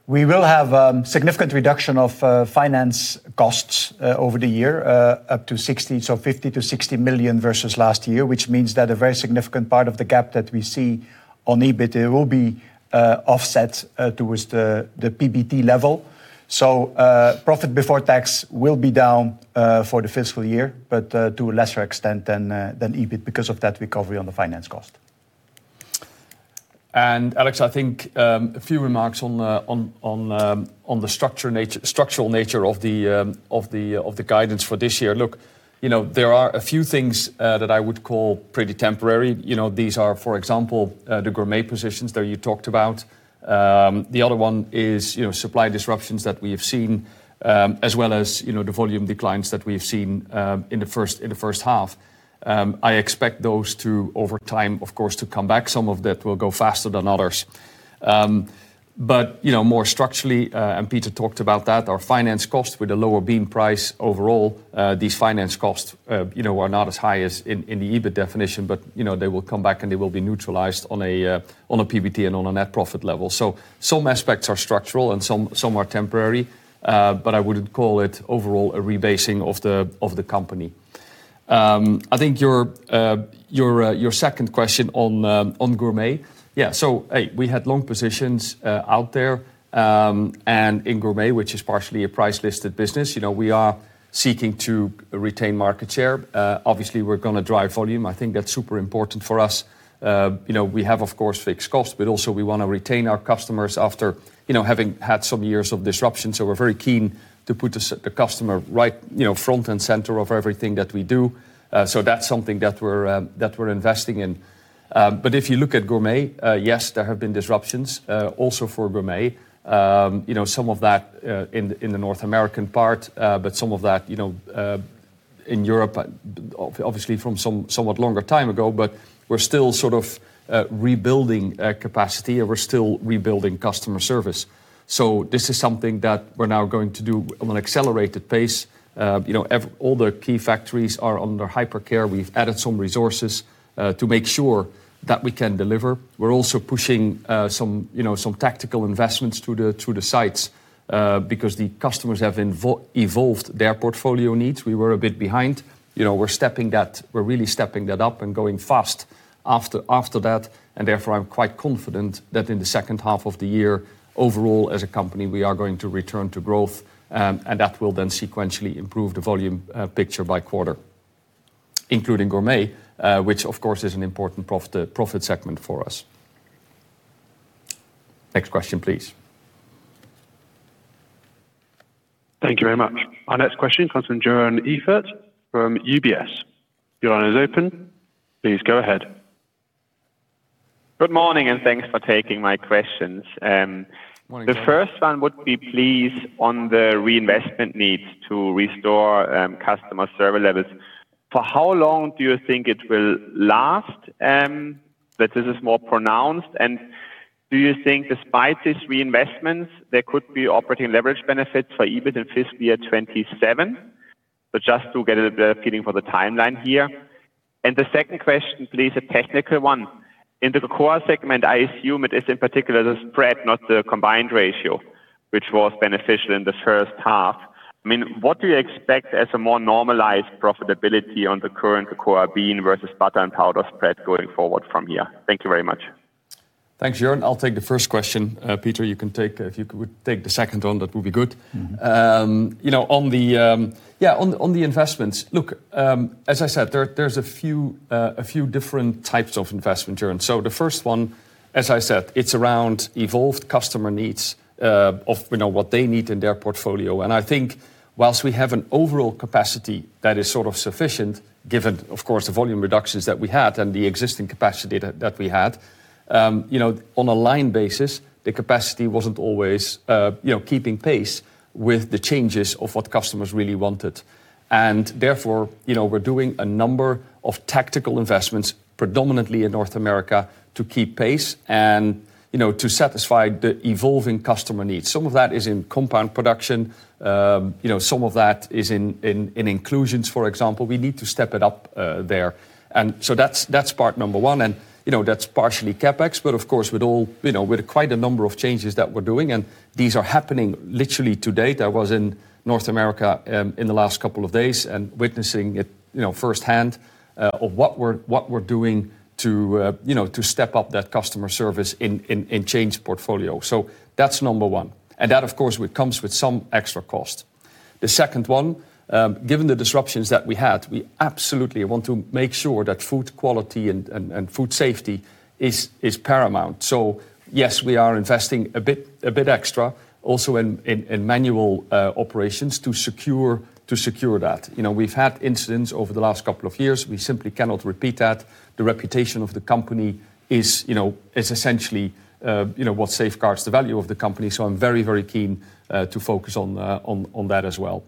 We will have significant reduction of finance costs over the year up to 60, so 50 million-60 million versus last year, which means that a very significant part of the gap that we see on EBIT will be offset towards the PBT level. Profit before tax will be down for the fiscal year, but to a lesser extent than EBIT because of that recovery on the finance cost. Alex, I think, a few remarks on the structural nature of the guidance for this year. Look, there are a few things that I would call pretty temporary. These are, for example, the Gourmet positions that you talked about. The other one is supply disruptions that we have seen, as well as the volume declines that we have seen in the first half. I expect those two over time, of course, to come back. Some of that will go faster than others. More structurally, and Peter talked about that, our finance cost with a lower bean price overall, these finance costs are not as high as in the EBIT definition. They will come back, and they will be neutralized on a PBT and on a net profit level. Some aspects are structural and some are temporary. I wouldn't call it overall a rebasing of the company. I think your second question on Gourmet. Yeah. A, we had long positions out there, and in Gourmet, which is partially a price-listed business. We are seeking to retain market share. Obviously, we're going to drive volume. I think that's super important for us. We have, of course, fixed costs, but also we want to retain our customers after having had some years of disruption. We're very keen to put the customer right front and center of everything that we do. That's something that we're investing in. If you look at Gourmet, yes, there have been disruptions, also for Gourmet. Some of that in the North American part, but some of that in Europe, obviously from somewhat longer time ago. We're still sort of rebuilding capacity, and we're still rebuilding customer service. This is something that we're now going to do on an accelerated pace. All the key factories are under hypercare. We've added some resources to make sure that we can deliver. We're also pushing some tactical investments to the sites, because the customers have evolved their portfolio needs. We were a bit behind. We're really stepping that up and going fast after that. Therefore, I'm quite confident that in the second half of the year, overall as a company, we are going to return to growth, and that will then sequentially improve the volume picture by quarter, including Gourmet, which of course is an important profit segment for us. Next question, please. Thank you very much. Our next question comes from Joern Iffert from UBS. Joern is open. Please go ahead. Good morning, and thanks for taking my questions. Morning. The first one would be please on the reinvestment needs to restore customer service levels. For how long do you think it will last? That this is more pronounced, and do you think despite these reinvestments, there could be operating leverage benefits for EBIT in fiscal year 2027? So just to get a bit of feeling for the timeline here. The second question, please, a technical one. In the core segment, I assume it is in particular the spread, not the combined ratio, which was beneficial in the first half. What do you expect as a more normalized profitability on the current core bean versus butter and powder spread going forward from here? Thank you very much. Thanks, Joern. I'll take the first question. Peter, if you could take the second one, that would be good. On the investments. Look, as I said, there's a few different types of investment, Joern. The first one, as I said, it's around evolved customer needs of what they need in their portfolio. I think while we have an overall capacity that is sort of sufficient, given of course the volume reductions that we had and the existing capacity that we had. On a line basis, the capacity wasn't always keeping pace with the changes of what customers really wanted. Therefore, we're doing a number of tactical investments, predominantly in North America, to keep pace and to satisfy the evolving customer needs. Some of that is in compound production. Some of that is in inclusions, for example. We need to step it up there. That's part number one. That's partially CapEx, but of course, with quite a number of changes that we're doing, and these are happening literally to date. I was in North America in the last couple of days and witnessing it firsthand of what we're doing to step up that customer service and change the portfolio. That's number one. That, of course, comes with some extra cost. The second one, given the disruptions that we had, we absolutely want to make sure that food quality and food safety is paramount. Yes, we are investing a bit extra also in manual operations to secure that. We've had incidents over the last couple of years. We simply cannot repeat that. The reputation of the company is essentially what safeguards the value of the company. I'm very, very keen to focus on that as well.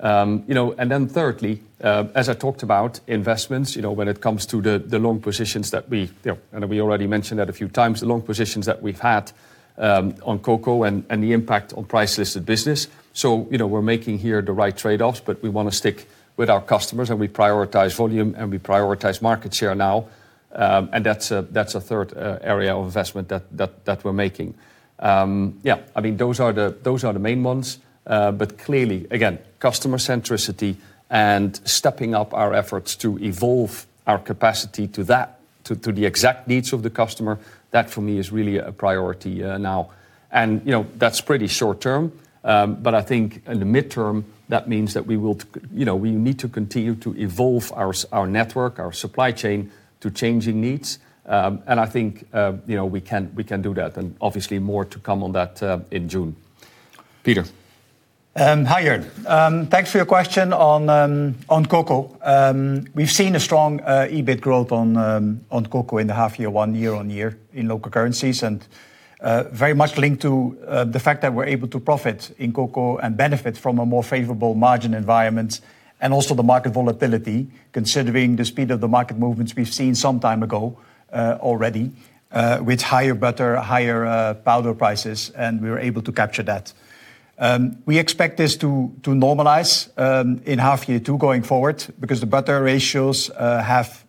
Then thirdly, as I talked about investments, when it comes to the long positions that we've had on cocoa and the impact on price listed business. We're making here the right trade-offs, but we want to stick with our customers, and we prioritize volume, and we prioritize market share now. That's the third area of investment that we're making. Those are the main ones. Clearly, again, customer centricity and stepping up our efforts to evolve our capacity to the exact needs of the customer, that for me is really a priority now. That's pretty short term. I think in the mid-term, that means that we need to continue to evolve our network, our supply chain to changing needs. I think we can do that. Obviously more to come on that in June. Peter? Hi, Joern. Thanks for your question on cocoa. We've seen a strong EBIT growth on cocoa in the half year-on-year in local currencies, and very much linked to the fact that we're able to profit in cocoa and benefit from a more favorable margin environment and also the market volatility, considering the speed of the market movements we've seen some time ago already with higher butter, higher powder prices, and we were able to capture that. We expect this to normalize in half year two going forward because the butter ratios have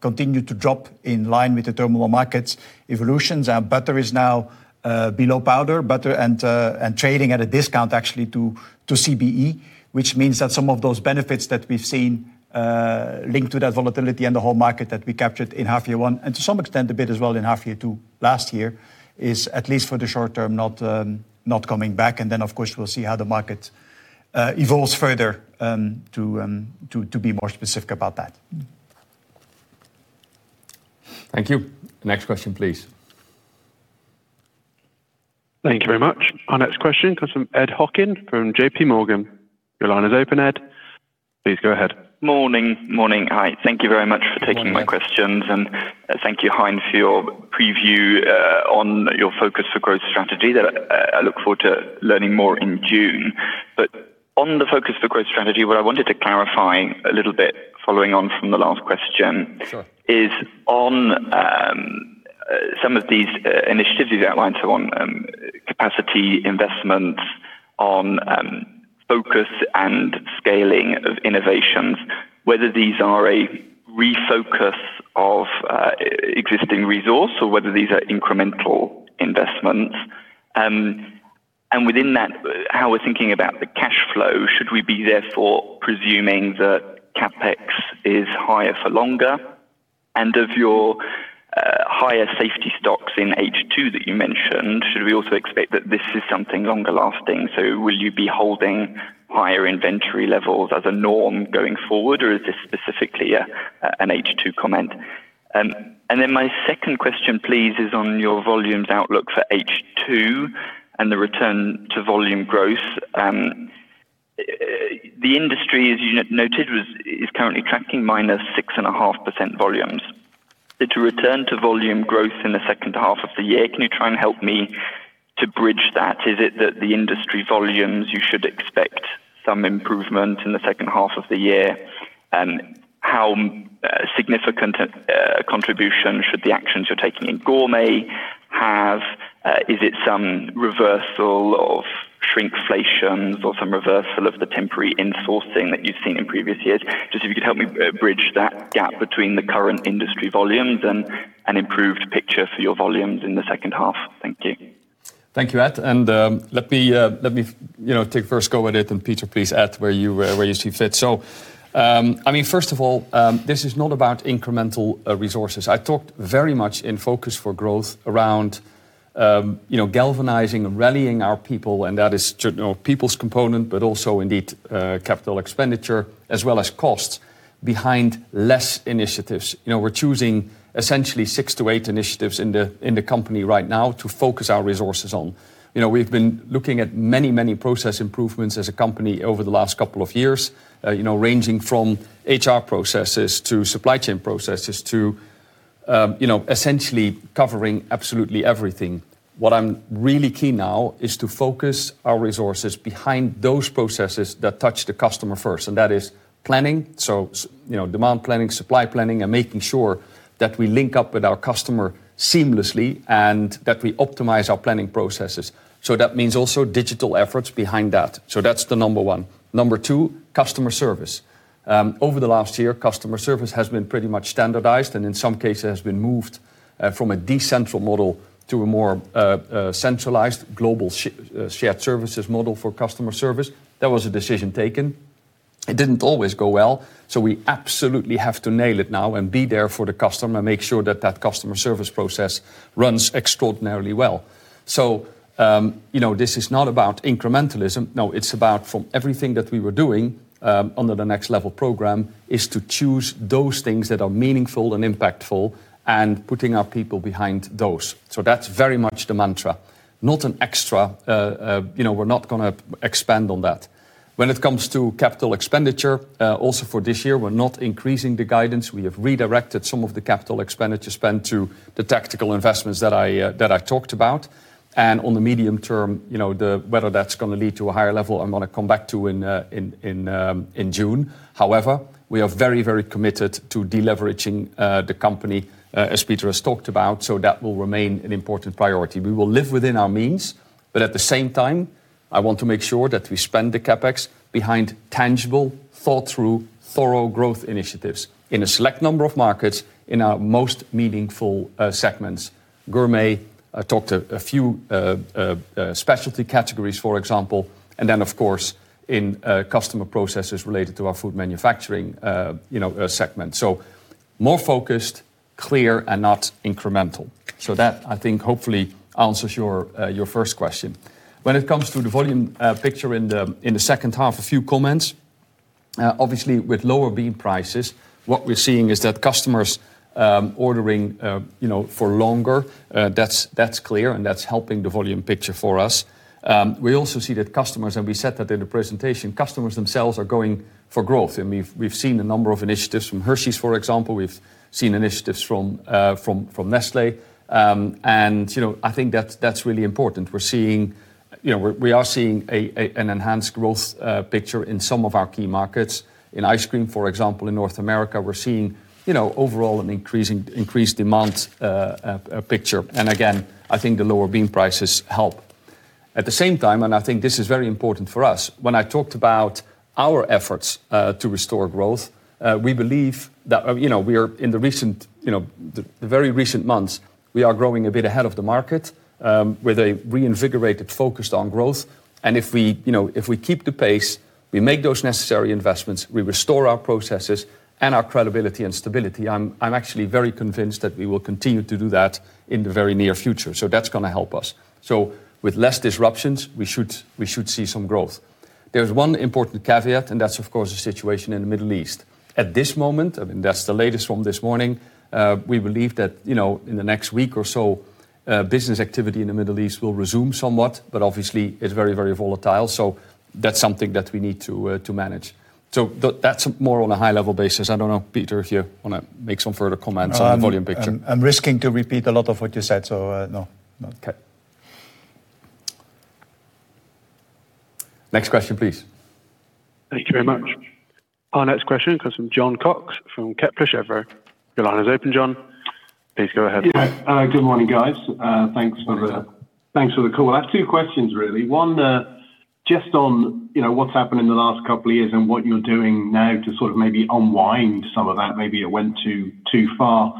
continued to drop in line with the terminal markets evolutions. Our butter is now below powder butter and trading at a discount actually to CBE, which means that some of those benefits that we've seen linked to that volatility and the whole market that we captured in half year one, and to some extent a bit as well in half year two last year, is at least for the short term, not coming back. Then, of course, we'll see how the market evolves further to be more specific about that. Thank you. Next question, please. Thank you very much. Our next question comes from Ed Hocking from J.P. Morgan. Your line is open, Ed. Please go ahead. Morning. Hi. Thank you very much for taking my questions. Morning. Thank you, Hein, for your preview on your Focus for Growth strategy that I look forward to learning more in June. On the Focus for Growth strategy, what I wanted to clarify a little bit following on from the last question. Sure My question is on some of these initiatives you've outlined on capacity investments, on focus and scaling of innovations, whether these are a refocus of existing resource or whether these are incremental investments. Within that, how we're thinking about the cash flow, should we be therefore presuming that CapEx is higher for longer? Of your higher safety stocks in H2 that you mentioned, should we also expect that this is something longer lasting? Will you be holding higher inventory levels as a norm going forward, or is this specifically an H2 comment? Then my second question, please, is on your volumes outlook for H2 and the return to volume growth. The industry, as you noted, is currently tracking -6.5% volumes. Did you return to volume growth in the second half of the year? Can you try and help me to bridge that? Is it that the industry volumes, you should expect some improvement in the second half of the year? How significant a contribution should the actions you're taking in Gourmet have? Is it some reversal of shrinkflation or some reversal of the temporary insourcing that you've seen in previous years? Just if you could help me bridge that gap between the current industry volumes and an improved picture for your volumes in the second half? Thank you. Thank you, Ed. Let me take first go at it, and Peter, please add where you see fit. First of all, this is not about incremental resources. I talked very much in Focus for Growth around galvanizing and rallying our people, and that is people's component, but also indeed capital expenditure as well as costs behind these initiatives. We're choosing essentially 6-8 initiatives in the company right now to focus our resources on. We've been looking at many, many process improvements as a company over the last couple of years, ranging from HR processes to supply chain processes to essentially covering absolutely everything. What I'm really keen now is to focus our resources behind those processes that touch the customer first, and that is planning. Demand planning, supply planning, and making sure that we link up with our customer seamlessly and that we optimize our planning processes. That means also digital efforts behind that. That's the number one. Number two, customer service. Over the last year, customer service has been pretty much standardized, and in some cases has been moved from a decentralized model to a more centralized global shared services model for customer service. That was a decision taken. It didn't always go well, so we absolutely have to nail it now and be there for the customer, make sure that that customer service process runs extraordinarily well. This is not about incrementalism. No, it's about from everything that we were doing under the Next Level program is to choose those things that are meaningful and impactful and putting our people behind those. That's very much the mantra, not an extra. We're not going to expand on that. When it comes to capital expenditure, also for this year, we're not increasing the guidance. We have redirected some of the capital expenditure spend to the tactical investments that I talked about. On the medium term, whether that's going to lead to a higher level, I'm going to come back to in June. However, we are very, very committed to deleveraging the company as Peter has talked about, so that will remain an important priority. We will live within our means, but at the same time, I want to make sure that we spend the CapEx behind tangible, thought-through, thorough growth initiatives in a select number of markets in our most meaningful segments. Gourmet, I talked a few specialty categories, for example, and then of course, in customer processes related to our food manufacturing segment. More focused, clear, and not incremental. That, I think, hopefully answers your first question. When it comes to the volume picture in the second half, a few comments. Obviously, with lower bean prices, what we're seeing is that customers ordering for longer. That's clear, and that's helping the volume picture for us. We also see that customers, and we said that in the presentation, customers themselves are going for growth. We've seen a number of initiatives from Hershey's, for example. We've seen initiatives from Nestlé. I think that's really important. We are seeing an enhanced growth picture in some of our key markets. In ice cream, for example, in North America, we're seeing overall an increased demand picture. Again, I think the lower bean prices help. At the same time, and I think this is very important for us, when I talked about our efforts to restore growth, we believe that in the very recent months, we are growing a bit ahead of the market with a reinvigorated focus on growth. If we keep the pace, we make those necessary investments, we restore our processes and our credibility and stability, I'm actually very convinced that we will continue to do that in the very near future. That's going to help us. With less disruptions, we should see some growth. There's one important caveat, and that's of course, the situation in the Middle East. At this moment, and that's the latest from this morning, we believe that in the next week or so, business activity in the Middle East will resume somewhat, but obviously, it's very, very volatile. That's something that we need to manage. That's more on a high level basis. I don't know, Peter, if you want to make some further comments on the volume picture. I risk repeating a lot of what you said, so no. Okay. Next question, please. Thank you very much. Our next question comes from Jon Cox from Kepler Cheuvreux. Your line is open, Jon. Please go ahead. Yeah. Good morning, guys. Thanks for the call. I have two questions, really. One, just on what's happened in the last couple of years and what you're doing now to sort of maybe unwind some of that. Maybe it went too far.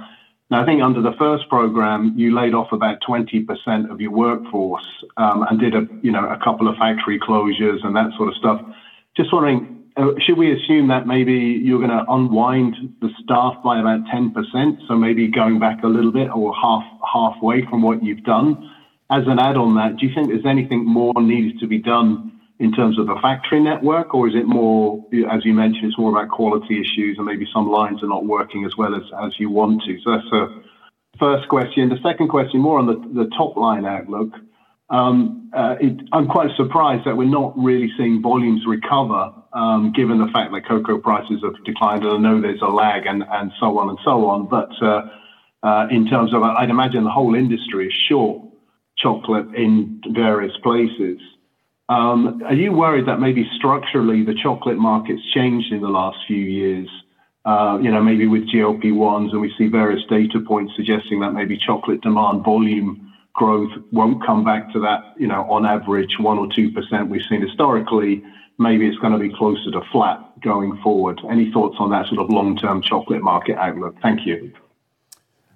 Now, I think under the first program, you laid off about 20% of your workforce, and did a couple of factory closures and that sort of stuff. Just wondering, should we assume that maybe you're going to unwind the staff by about 10%? Maybe going back a little bit or halfway from what you've done. As an add on that, do you think there's anything more needs to be done in terms of the factory network, or is it more, as you mentioned, it's more about quality issues and maybe some lines are not working as well as you want to? That's the first question. The second question, more on the top line outlook. I'm quite surprised that we're not really seeing volumes recover, given the fact that cocoa prices have declined, and I know there's a lag and so on and so on. In terms of, I'd imagine the whole industry is short chocolate in various places. Are you worried that maybe structurally, the chocolate market's changed in the last few years? Maybe with GLP-1s and we see various data points suggesting that maybe chocolate demand volume growth won't come back to that on average 1% or 2% we've seen historically. Maybe it's going to be closer to flat going forward. Any thoughts on that sort of long-term chocolate market outlook? Thank you.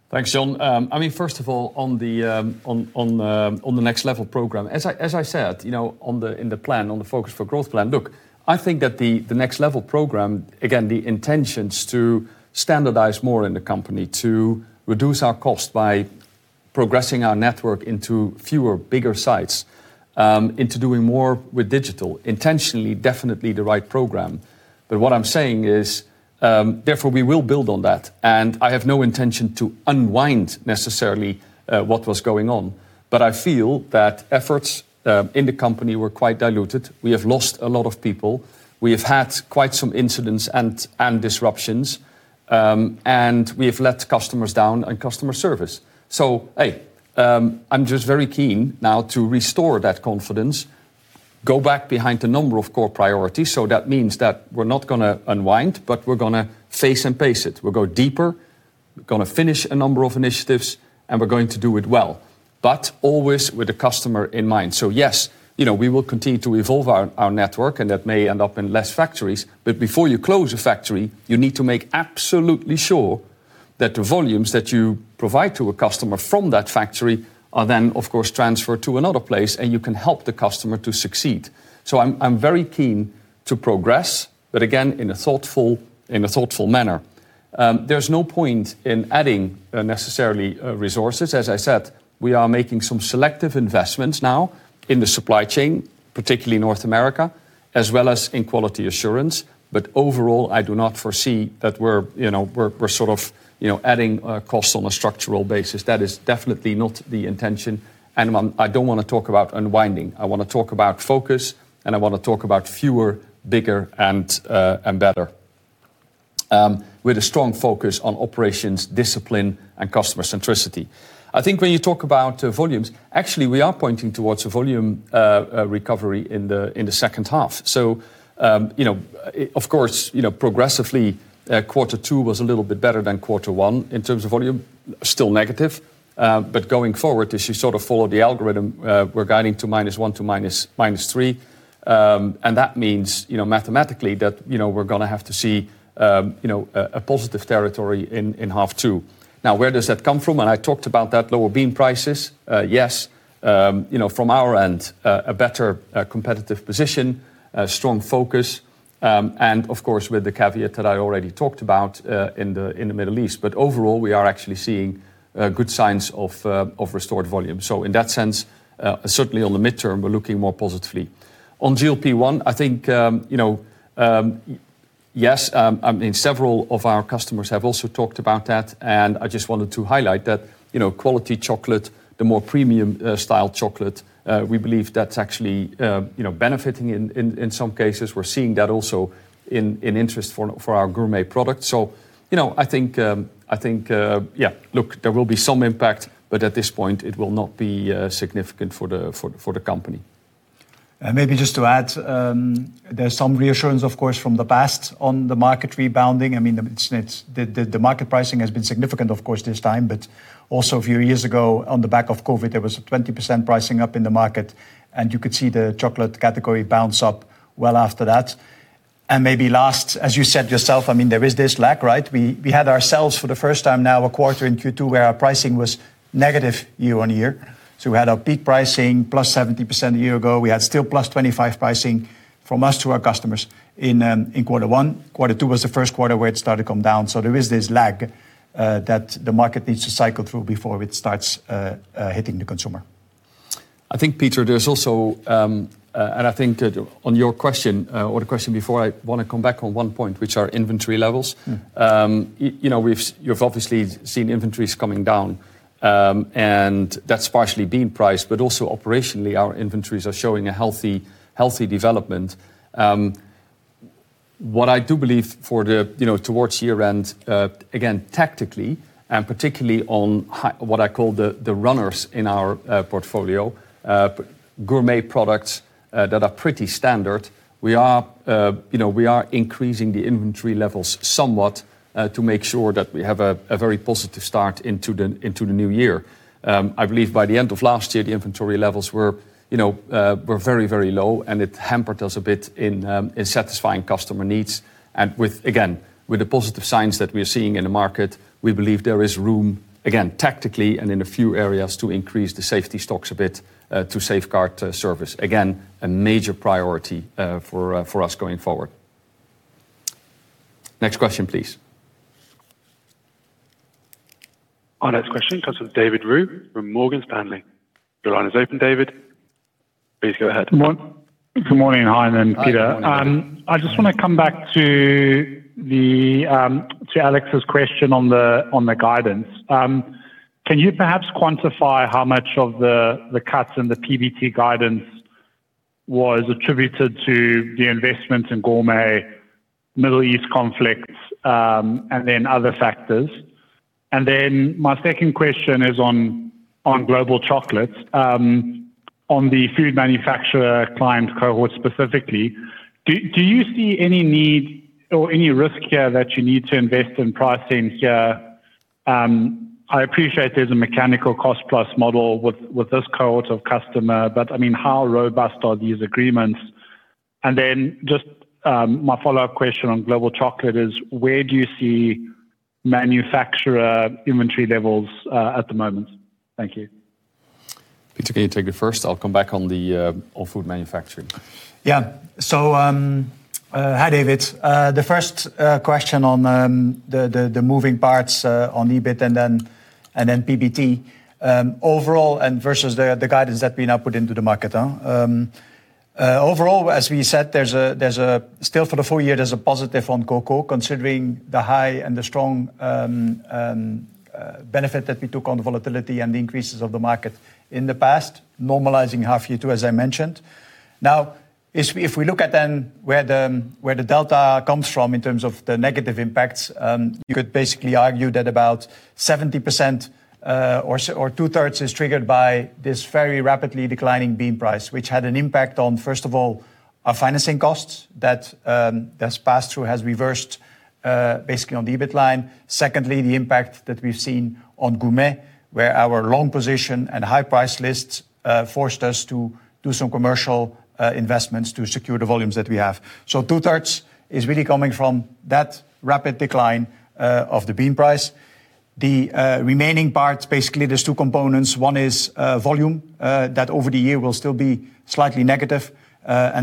Thanks, Jon. First of all, on the Next Level program, as I said, in the plan, on the Focus for Growth plan, look, I think that the Next Level program, again, the intentions to standardize more in the company, to reduce our cost by progressing our network into fewer, bigger sites, into doing more with digital, intentionally, definitely the right program. What I'm saying is, therefore, we will build on that. I have no intention to unwind necessarily what was going on. I feel that efforts in the company were quite diluted. We have lost a lot of people. We have had quite some incidents and disruptions. We have let customers down on customer service. I'm just very keen now to restore that confidence, go back behind a number of core priorities. That means that we're not going to unwind, but we're going to face and pace it. We'll go deeper, we're going to finish a number of initiatives, and we're going to do it well, but always with the customer in mind. Yes, we will continue to evolve our network, and that may end up in less factories. Before you close a factory, you need to make absolutely sure that the volumes that you provide to a customer from that factory are then, of course, transferred to another place, and you can help the customer to succeed. I'm very keen to progress, but again, in a thoughtful manner. There's no point in adding necessarily resources. As I said, we are making some selective investments now in the supply chain, particularly North America, as well as in quality assurance. Overall, I do not foresee that we're sort of adding costs on a structural basis. That is definitely not the intention. I don't want to talk about unwinding. I want to talk about focus, and I want to talk about fewer, bigger, and better, with a strong focus on operations, discipline, and customer centricity. I think when you talk about volumes, actually, we are pointing towards a volume recovery in the second half. Of course, progressively, quarter two was a little bit better than quarter one in terms of volume, still negative. Going forward, as you sort of follow the algorithm, we're guiding to -1% to -3%. That means, mathematically that we're going to have to see a positive territory in half two. Now, where does that come from? I talked about that lower bean prices. Yes, from our end, a better competitive position, a strong focus, and of course, with the caveat that I already talked about in the Middle East. Overall, we are actually seeing good signs of restored volume. In that sense, certainly on the midterm, we're looking more positively. On GLP-1, I think, yes, several of our customers have also talked about that, and I just wanted to highlight that quality chocolate, the more premium style chocolate, we believe that's actually benefiting in some cases. We're seeing that also in interest for our Gourmet product. I think, yeah, look, there will be some impact, but at this point, it will not be significant for the company. Maybe just to add, there's some reassurance, of course, from the past on the market rebounding. The market pricing has been significant, of course, this time, but also a few years ago, on the back of COVID, there was a 20% pricing up in the market, and you could see the chocolate category bounce up well after that. Maybe last, as you said yourself, there is this lag, right? We had ourselves for the first time now a quarter in Q2 where our pricing was negative year-over-year. So we had our peak pricing plus 70% a year ago. We had still plus 25% pricing from us to our customers in quarter one. Quarter two was the first quarter where it started to come down. So there is this lag that the market needs to cycle through before it starts hitting the consumer. I think, Peter, there's also, and I think on your question or the question before, I want to come back on one point, which are inventory levels. You've obviously seen inventories coming down, and that's partially bean price, but also operationally, our inventories are showing a healthy development. What I do believe towards year-end, again, tactically, and particularly on what I call the runners in our portfolio, Gourmet products that are pretty standard. We are increasing the inventory levels somewhat to make sure that we have a very positive start into the new year. I believe by the end of last year, the inventory levels were very, very low, and it hampered us a bit in satisfying customer needs. Again, with the positive signs that we are seeing in the market, we believe there is room, again, tactically and in a few areas, to increase the safety stocks a bit to safeguard service. Again, a major priority for us going forward. Next question, please. Our next question comes from David Roux from Morgan Stanley. Your line is open, David. Please go ahead. Good morning, Hein and Peter. Hi, David. I just want to come back to Alex's question on the guidance. Can you perhaps quantify how much of the cuts in the PBT guidance was attributed to the investments in Gourmet, Middle East conflicts, and then other factors? My second question is on global chocolates, on the food manufacturer client cohort specifically. Do you see any need or any risk here that you need to invest in pricing here? I appreciate there's a mechanical cost-plus model with this cohort of customer, but how robust are these agreements? Just my follow-up question on global chocolate is where do you see manufacturer inventory levels at the moment? Thank you. Peter Vanneste, can you take it first? I'll come back on the off-road manufacturing. Hi, David. The first question on the moving parts on EBIT and then PBT. Overall, versus the guidance that we now put into the market. Overall, as we said, still for the full year, there's a positive on cocoa, considering the high and the strong benefit that we took on the volatility and the increases of the market in the past, normalizing half year two, as I mentioned. If we look at then where the delta comes from in terms of the negative impacts, you could basically argue that about 70% or two-thirds is triggered by this very rapidly declining bean price, which had an impact on, first of all, our financing costs that's passed through, has reversed basically on the EBIT line. Secondly, the impact that we've seen on Gourmet, where our long position and high price lists forced us to do some commercial investments to secure the volumes that we have. Two-thirds is really coming from that rapid decline of the bean price. The remaining parts, basically, there's two components. One is volume, that over the year will still be slightly negative.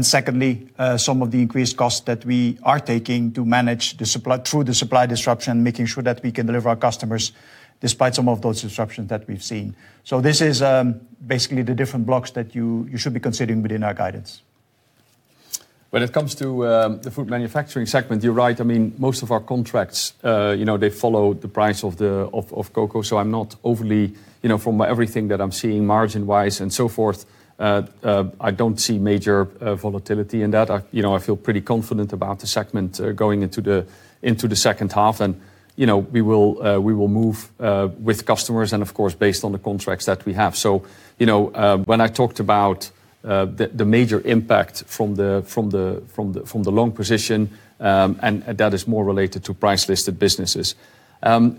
Secondly, some of the increased costs that we are taking to manage through the supply disruption, making sure that we can deliver our customers despite some of those disruptions that we've seen. This is basically the different blocks that you should be considering within our guidance. When it comes to the food manufacturing segment, you're right. Most of our contracts they follow the price of cocoa. From everything that I'm seeing margin-wise and so forth, I don't see major volatility in that. I feel pretty confident about the segment going into the second half. We will move with customers and of course, based on the contracts that we have. When I talked about the major impact from the long position, and that is more related to price-listed businesses.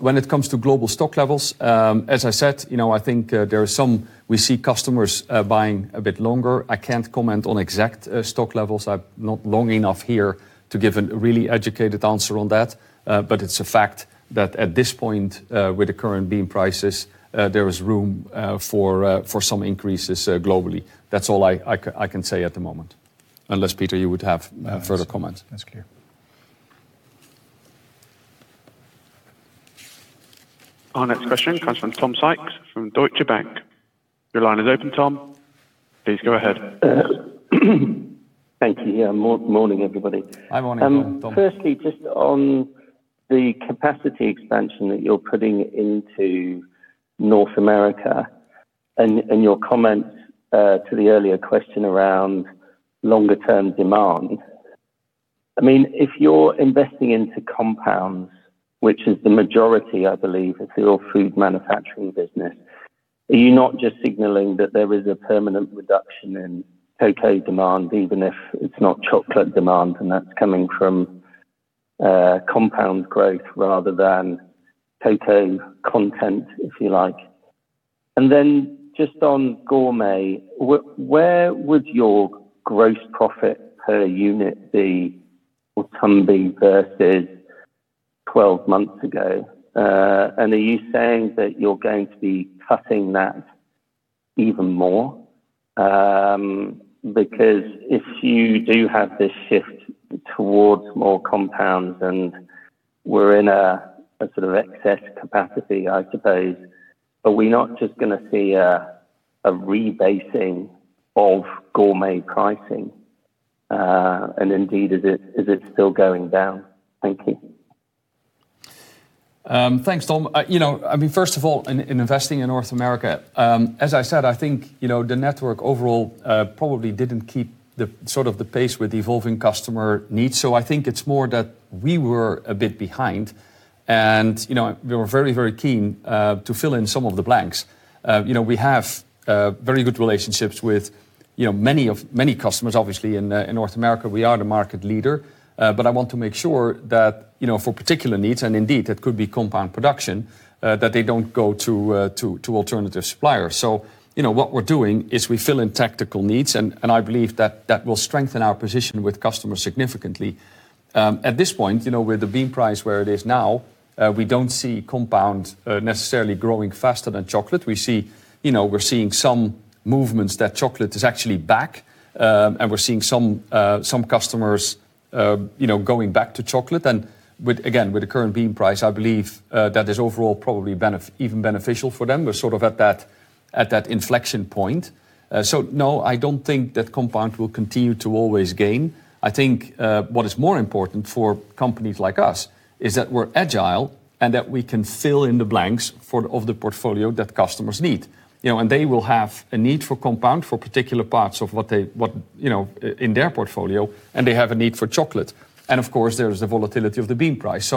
When it comes to global stock levels, as I said, I think there are some we see customers buying a bit longer. I can't comment on exact stock levels. I'm not long enough here to give a really educated answer on that. It's a fact that at this point, with the current bean prices, there is room for some increases globally. That's all I can say at the moment. Unless, Peter, you would have further comments. That's clear. Our next question comes from Tom Sykes from Deutsche Bank. Your line is open, Tom. Please go ahead. Thank you. Yeah, morning everybody. Hi. Morning, Tom. Firstly, just on the capacity expansion that you're putting into North America and your comments to the earlier question around longer term demand. If you're investing into compounds, which is the majority, I believe, of your food manufacturing business, are you not just signaling that there is a permanent reduction in cocoa demand, even if it's not chocolate demand, and that's coming from compound growth rather than cocoa content, if you like? And then just on Gourmet, where would your gross profit per unit be for tonne versus 12 months ago? And are you saying that you're going to be cutting that even more? Because if you do have this shift towards more compounds and we're in a sort of excess capacity, I suppose, are we not just going to see a rebasing of Gourmet pricing? And indeed, is it still going down? Thank you. Thanks, Tom. First of all, in investing in North America, as I said, I think, the network overall, probably didn't keep the pace with evolving customer needs. I think it's more that we were a bit behind and we were very, very keen to fill in some of the blanks. We have very good relationships with many customers. Obviously, in North America, we are the market leader. I want to make sure that for particular needs, and indeed, that could be compound production, that they don't go to alternative suppliers. What we're doing is we fill in tactical needs, and I believe that that will strengthen our position with customers significantly. At this point, with the bean price where it is now, we don't see compound necessarily growing faster than chocolate. We're seeing some movements that chocolate is actually back, and we're seeing some customers going back to chocolate, and again, with the current bean price, I believe that is overall probably even beneficial for them. We're sort of at that inflection point. No, I don't think that compound will continue to always gain. I think, what is more important for companies like us is that we're agile and that we can fill in the blanks of the portfolio that customers need. They will have a need for compound for particular parts in their portfolio, and they have a need for chocolate. Of course, there's the volatility of the bean price.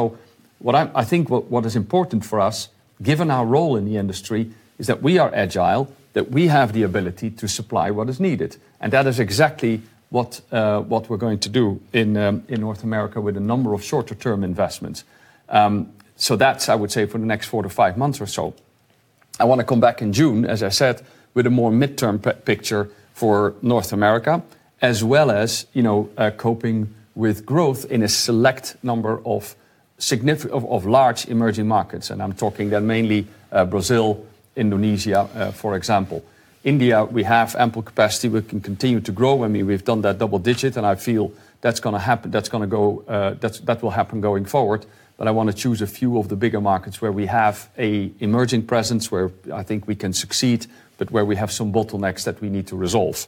I think what is important for us, given our role in the industry, is that we are agile, that we have the ability to supply what is needed. That is exactly what we're going to do in North America with a number of shorter-term investments. That's, I would say, for the next 4-5 months or so. I want to come back in June, as I said, with a more midterm picture for North America, as well as coping with growth in a select number of large emerging markets. I'm talking there mainly Brazil, Indonesia, for example. India, we have ample capacity. We can continue to grow. We've done that double-digit, and I feel that will happen going forward. I want to choose a few of the bigger markets where we have an emerging presence, where I think we can succeed, but where we have some bottlenecks that we need to resolve.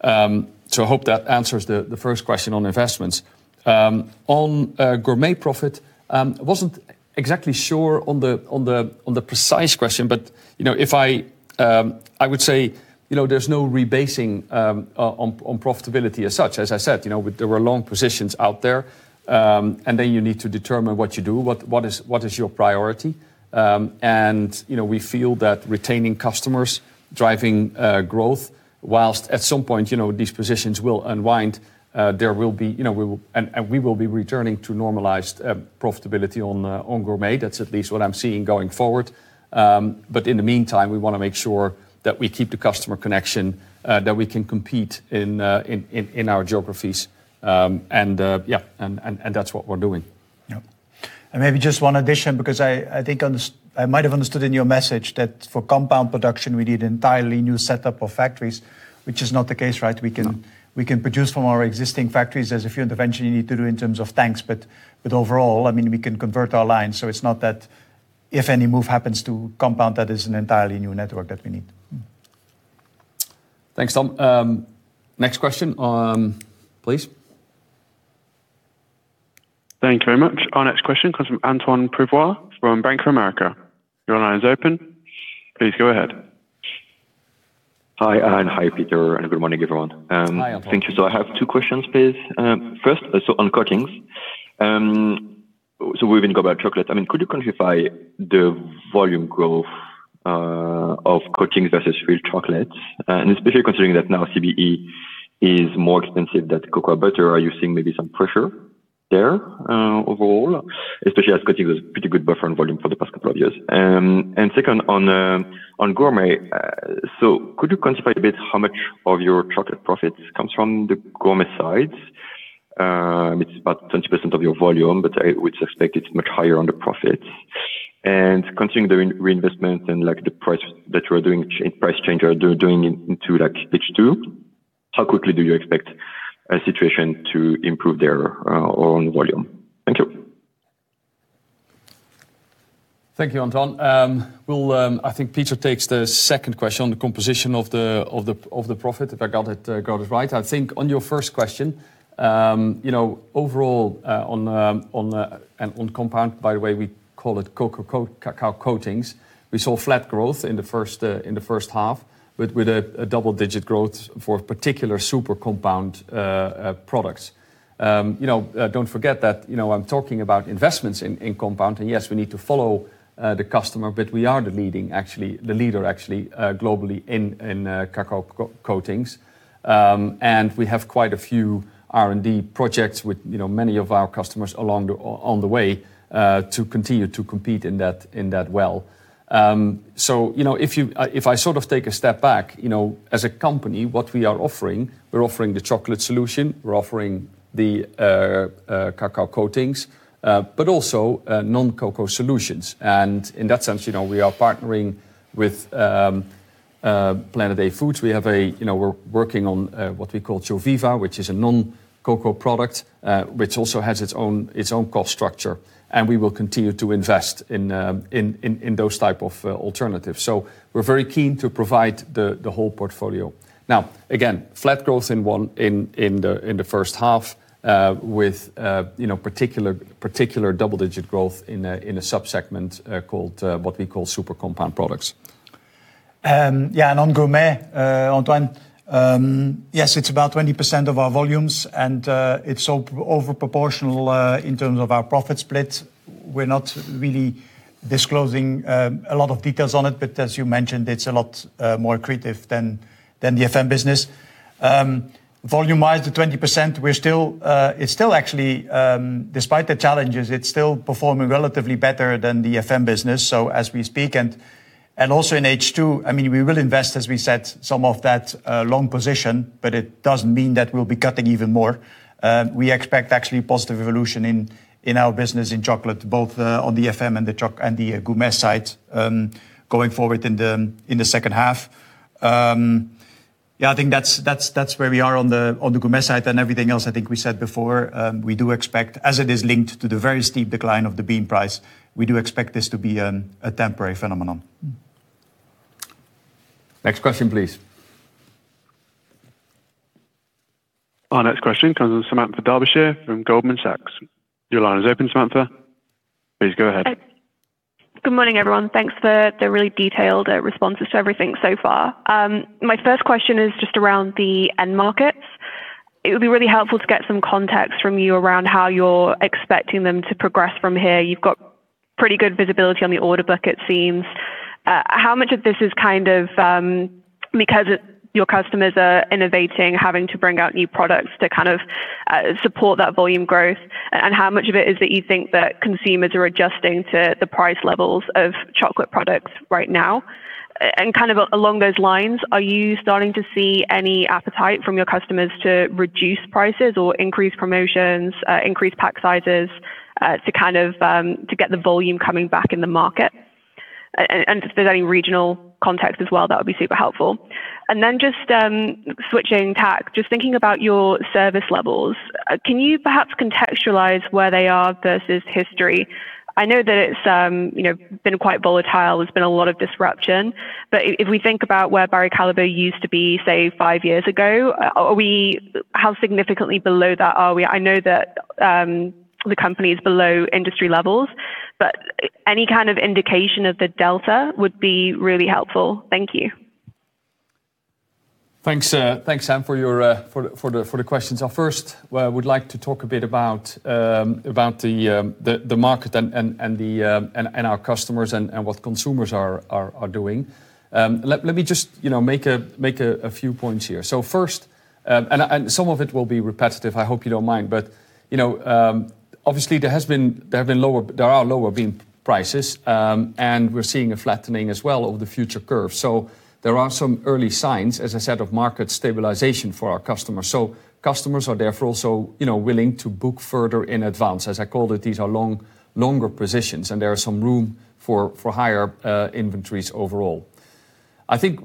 I hope that answers the first question on investments. On Gourmet profit, I wasn't exactly sure on the precise question, but I would say, there's no rebasing on profitability as such. As I said, there were long positions out there, and then you need to determine what you do, what is your priority. We feel that retaining customers, driving growth, while at some point these positions will unwind. We will be returning to normalized profitability on Gourmet. That's at least what I'm seeing going forward. In the meantime, we want to make sure that we keep the customer connection, that we can compete in our geographies. That's what we're doing. Yeah. Maybe just one addition, because I think I might have understood in your message that for compound production, we need an entirely new setup of factories, which is not the case, right? No. We can produce from our existing factories. There's a few interventions you need to do in terms of tanks, but overall, we can convert our lines so it's not that if any move happens to compound, that is an entirely new network that we need. Thanks, Tom. Next question, please. Thank you very much. Our next question comes from Antoine Prévot from Bank of America. Your line is open. Please go ahead. Hi, Hein Schumacher. Hi, Peter Vanneste, and good morning, everyone. Hi, Antoine. Thank you. I have two questions, please. First, on coatings. Even beyond chocolate. Could you quantify the volume growth of coatings versus real chocolate? Especially considering that now CBE is more expensive than cocoa butter, are you seeing maybe some pressure there, overall? Especially as coating was pretty good buffer on volume for the past couple of years. Second, on Gourmet, could you quantify a bit how much of your chocolate profits comes from the Gourmet side? It's about 20% of your volume, but I would suspect it's much higher on the profits. Considering the reinvestment and the price that you are doing, price change you are doing into H2, how quickly do you expect a situation to improve there on volume? Thank you. Thank you, Antoine. I think Peter takes the second question on the composition of the profit, if I got it right. I think on your first question, overall on compound, by the way, we call it cocoa coatings. We saw flat growth in the first half with a double-digit growth for particular super compound products. Don't forget that I'm talking about investments in compound, and yes, we need to follow the customer, but we are the leader globally in cocoa coatings. We have quite a few R&D projects with many of our customers along on the way to continue to compete in that well. If I take a step back, as a company, what we are offering, we're offering the chocolate solution, we're offering the cocoa coatings, but also non-cocoa solutions. In that sense, we are partnering with Planet A Foods. We're working on what we call Joviva, which is a non-cocoa product, which also has its own cost structure. We will continue to invest in those type of alternatives. We're very keen to provide the whole portfolio. Now, again, flat growth in the first half, with particular double-digit growth in a sub-segment what we call super compound products. On Gourmet, Antoine, yes, it's about 20% of our volumes, and it's over proportional, in terms of our profit split. We're not really disclosing a lot of details on it, but as you mentioned, it's a lot more accretive than the FM business. Volume-wise to 20%, despite the challenges, it's still performing relatively better than the FM business. As we speak and also in H2, we will invest, as we said, some of that long position, but it doesn't mean that we'll be cutting even more. We expect actually positive evolution in our business in chocolate, both on the FM and the Gourmet side, going forward in the second half. I think that's where we are on the Gourmet side, and everything else I think we said before, as it is linked to the very steep decline of the bean price, we do expect this to be a temporary phenomenon. Next question, please. Our next question comes from Samantha D'arby-shire from Goldman Sachs. Your line is open, Samantha. Please go ahead. Good morning, everyone. Thanks for the really detailed responses to everything so far. My first question is just around the end markets. It would be really helpful to get some context from you around how you're expecting them to progress from here. You've got pretty good visibility on the order book it seems. How much of this is kind of because your customers are innovating, having to bring out new products to support that volume growth, and how much of it is that you think that consumers are adjusting to the price levels of chocolate products right now? Along those lines, are you starting to see any appetite from your customers to reduce prices or increase promotions, increase pack sizes, to get the volume coming back in the market? If there's any regional context as well, that would be super helpful. Just switching tack, just thinking about your service levels, can you perhaps contextualize where they are versus history? I know that it's been quite volatile. There's been a lot of disruption. If we think about where Barry Callebaut used to be, say, five years ago, how significantly below that are we? I know that the company is below industry levels, but any kind of indication of the delta would be really helpful. Thank you. Thanks, Sam, for the questions. First, we'd like to talk a bit about the market and our customers and what consumers are doing. Let me just make a few points here. Some of it will be repetitive, I hope you don't mind. Obviously, there are lower bean prices, and we're seeing a flattening as well over the future curve. There are some early signs, as I said, of market stabilization for our customers. Customers are therefore also willing to book further in advance. As I called it, these are longer positions, and there is some room for higher inventories overall. I think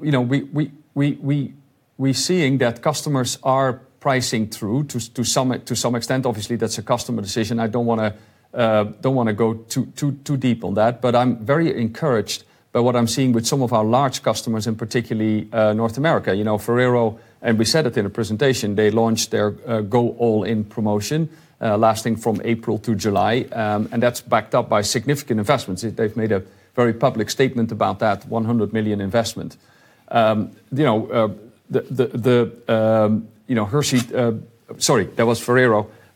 we're seeing that customers are pricing through to some extent. Obviously, that's a customer decision. I don't want to go too deep on that. I'm very encouraged by what I'm seeing with some of our large customers, and particularly North America. Ferrero, we said it in the presentation, they launched their Go All In promotion lasting from April to July, and that's backed up by significant investments. They've made a very public statement about that $100 million investment.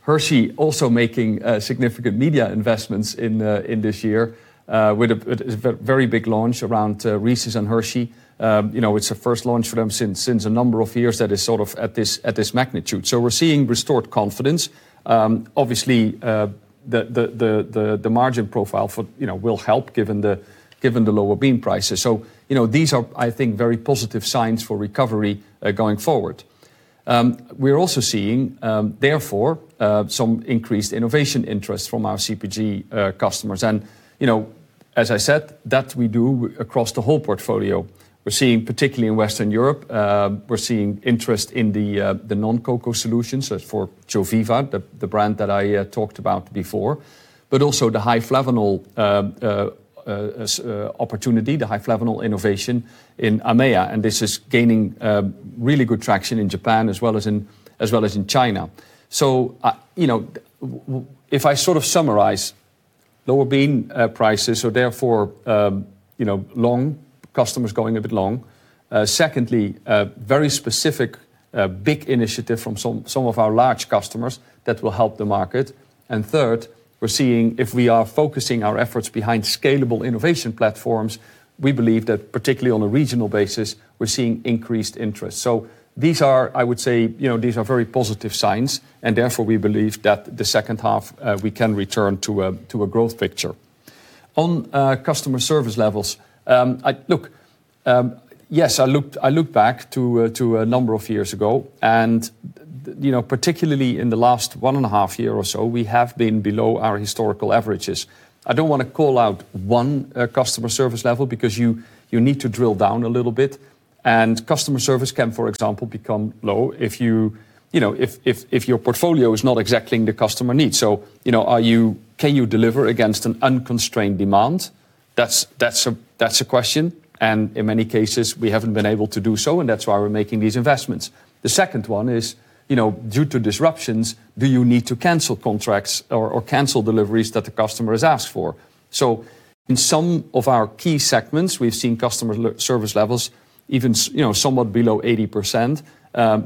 Hershey also making significant media investments in this year with a very big launch around Reese's and Hershey. It's the first launch for them since a number of years that is sort of at this magnitude. We're seeing restored confidence. Obviously, the margin profile will help given the lower bean prices. These are, I think, very positive signs for recovery going forward. We're also seeing, therefore, some increased innovation interest from our CPG customers. As I said, that we do across the whole portfolio. We're seeing, particularly in Western Europe, we're seeing interest in the non-cocoa solutions for Joviva, the brand that I talked about before, but also the high flavanol opportunity, the high flavanol innovation in EMEA, and this is gaining really good traction in Japan as well as in China. If I sort of summarize, lower bean prices are therefore long, customers going a bit long. Secondly, very specific, big initiative from some of our large customers that will help the market. Third, we're seeing if we are focusing our efforts behind scalable innovation platforms, we believe that particularly on a regional basis, we're seeing increased interest. These are, I would say, these are very positive signs, and therefore, we believe that the second half we can return to a growth picture. On customer service levels. Look, yes, I look back to a number of years ago, and particularly in the last 1.5 years or so, we have been below our historical averages. I don't want to call out one customer service level because you need to drill down a little bit, and customer service can, for example, become low if your portfolio is not exactly the customer needs. Can you deliver against an unconstrained demand? That's the question, and in many cases, we haven't been able to do so, and that's why we're making these investments. The second one is, due to disruptions, do you need to cancel contracts or cancel deliveries that the customer has asked for? In some of our key segments, we've seen customer service levels even somewhat below 80%.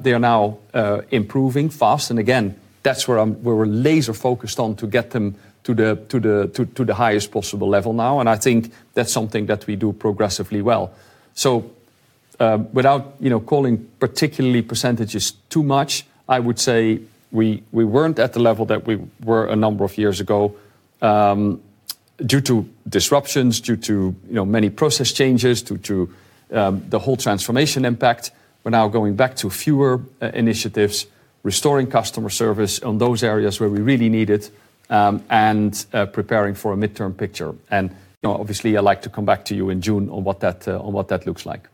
They are now improving fast, and again, that's where we're laser focused on to get them to the highest possible level now, and I think that's something that we do progressively well. Without calling particularly percentages too much, I would say we weren't at the level that we were a number of years ago, due to disruptions, due to many process changes, due to the whole transformation impact. We're now going back to fewer initiatives, restoring customer service on those areas where we really need it, and preparing for a midterm picture. Obviously, I'd like to come back to you in June on what that looks like.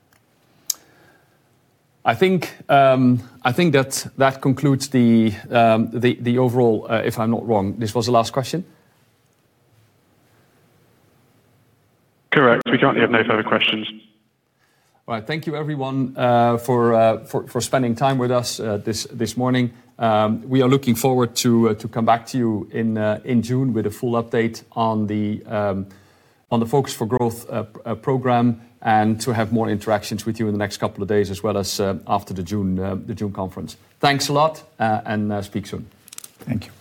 I think that concludes the overall, if I'm not wrong, this was the last question? Correct. We currently have no further questions. All right. Thank you everyone for spending time with us this morning. We are looking forward to come back to you in June with a full update on the Focus for Growth program and to have more interactions with you in the next couple of days as well as after the June conference. Thanks a lot and speak soon. Thank you.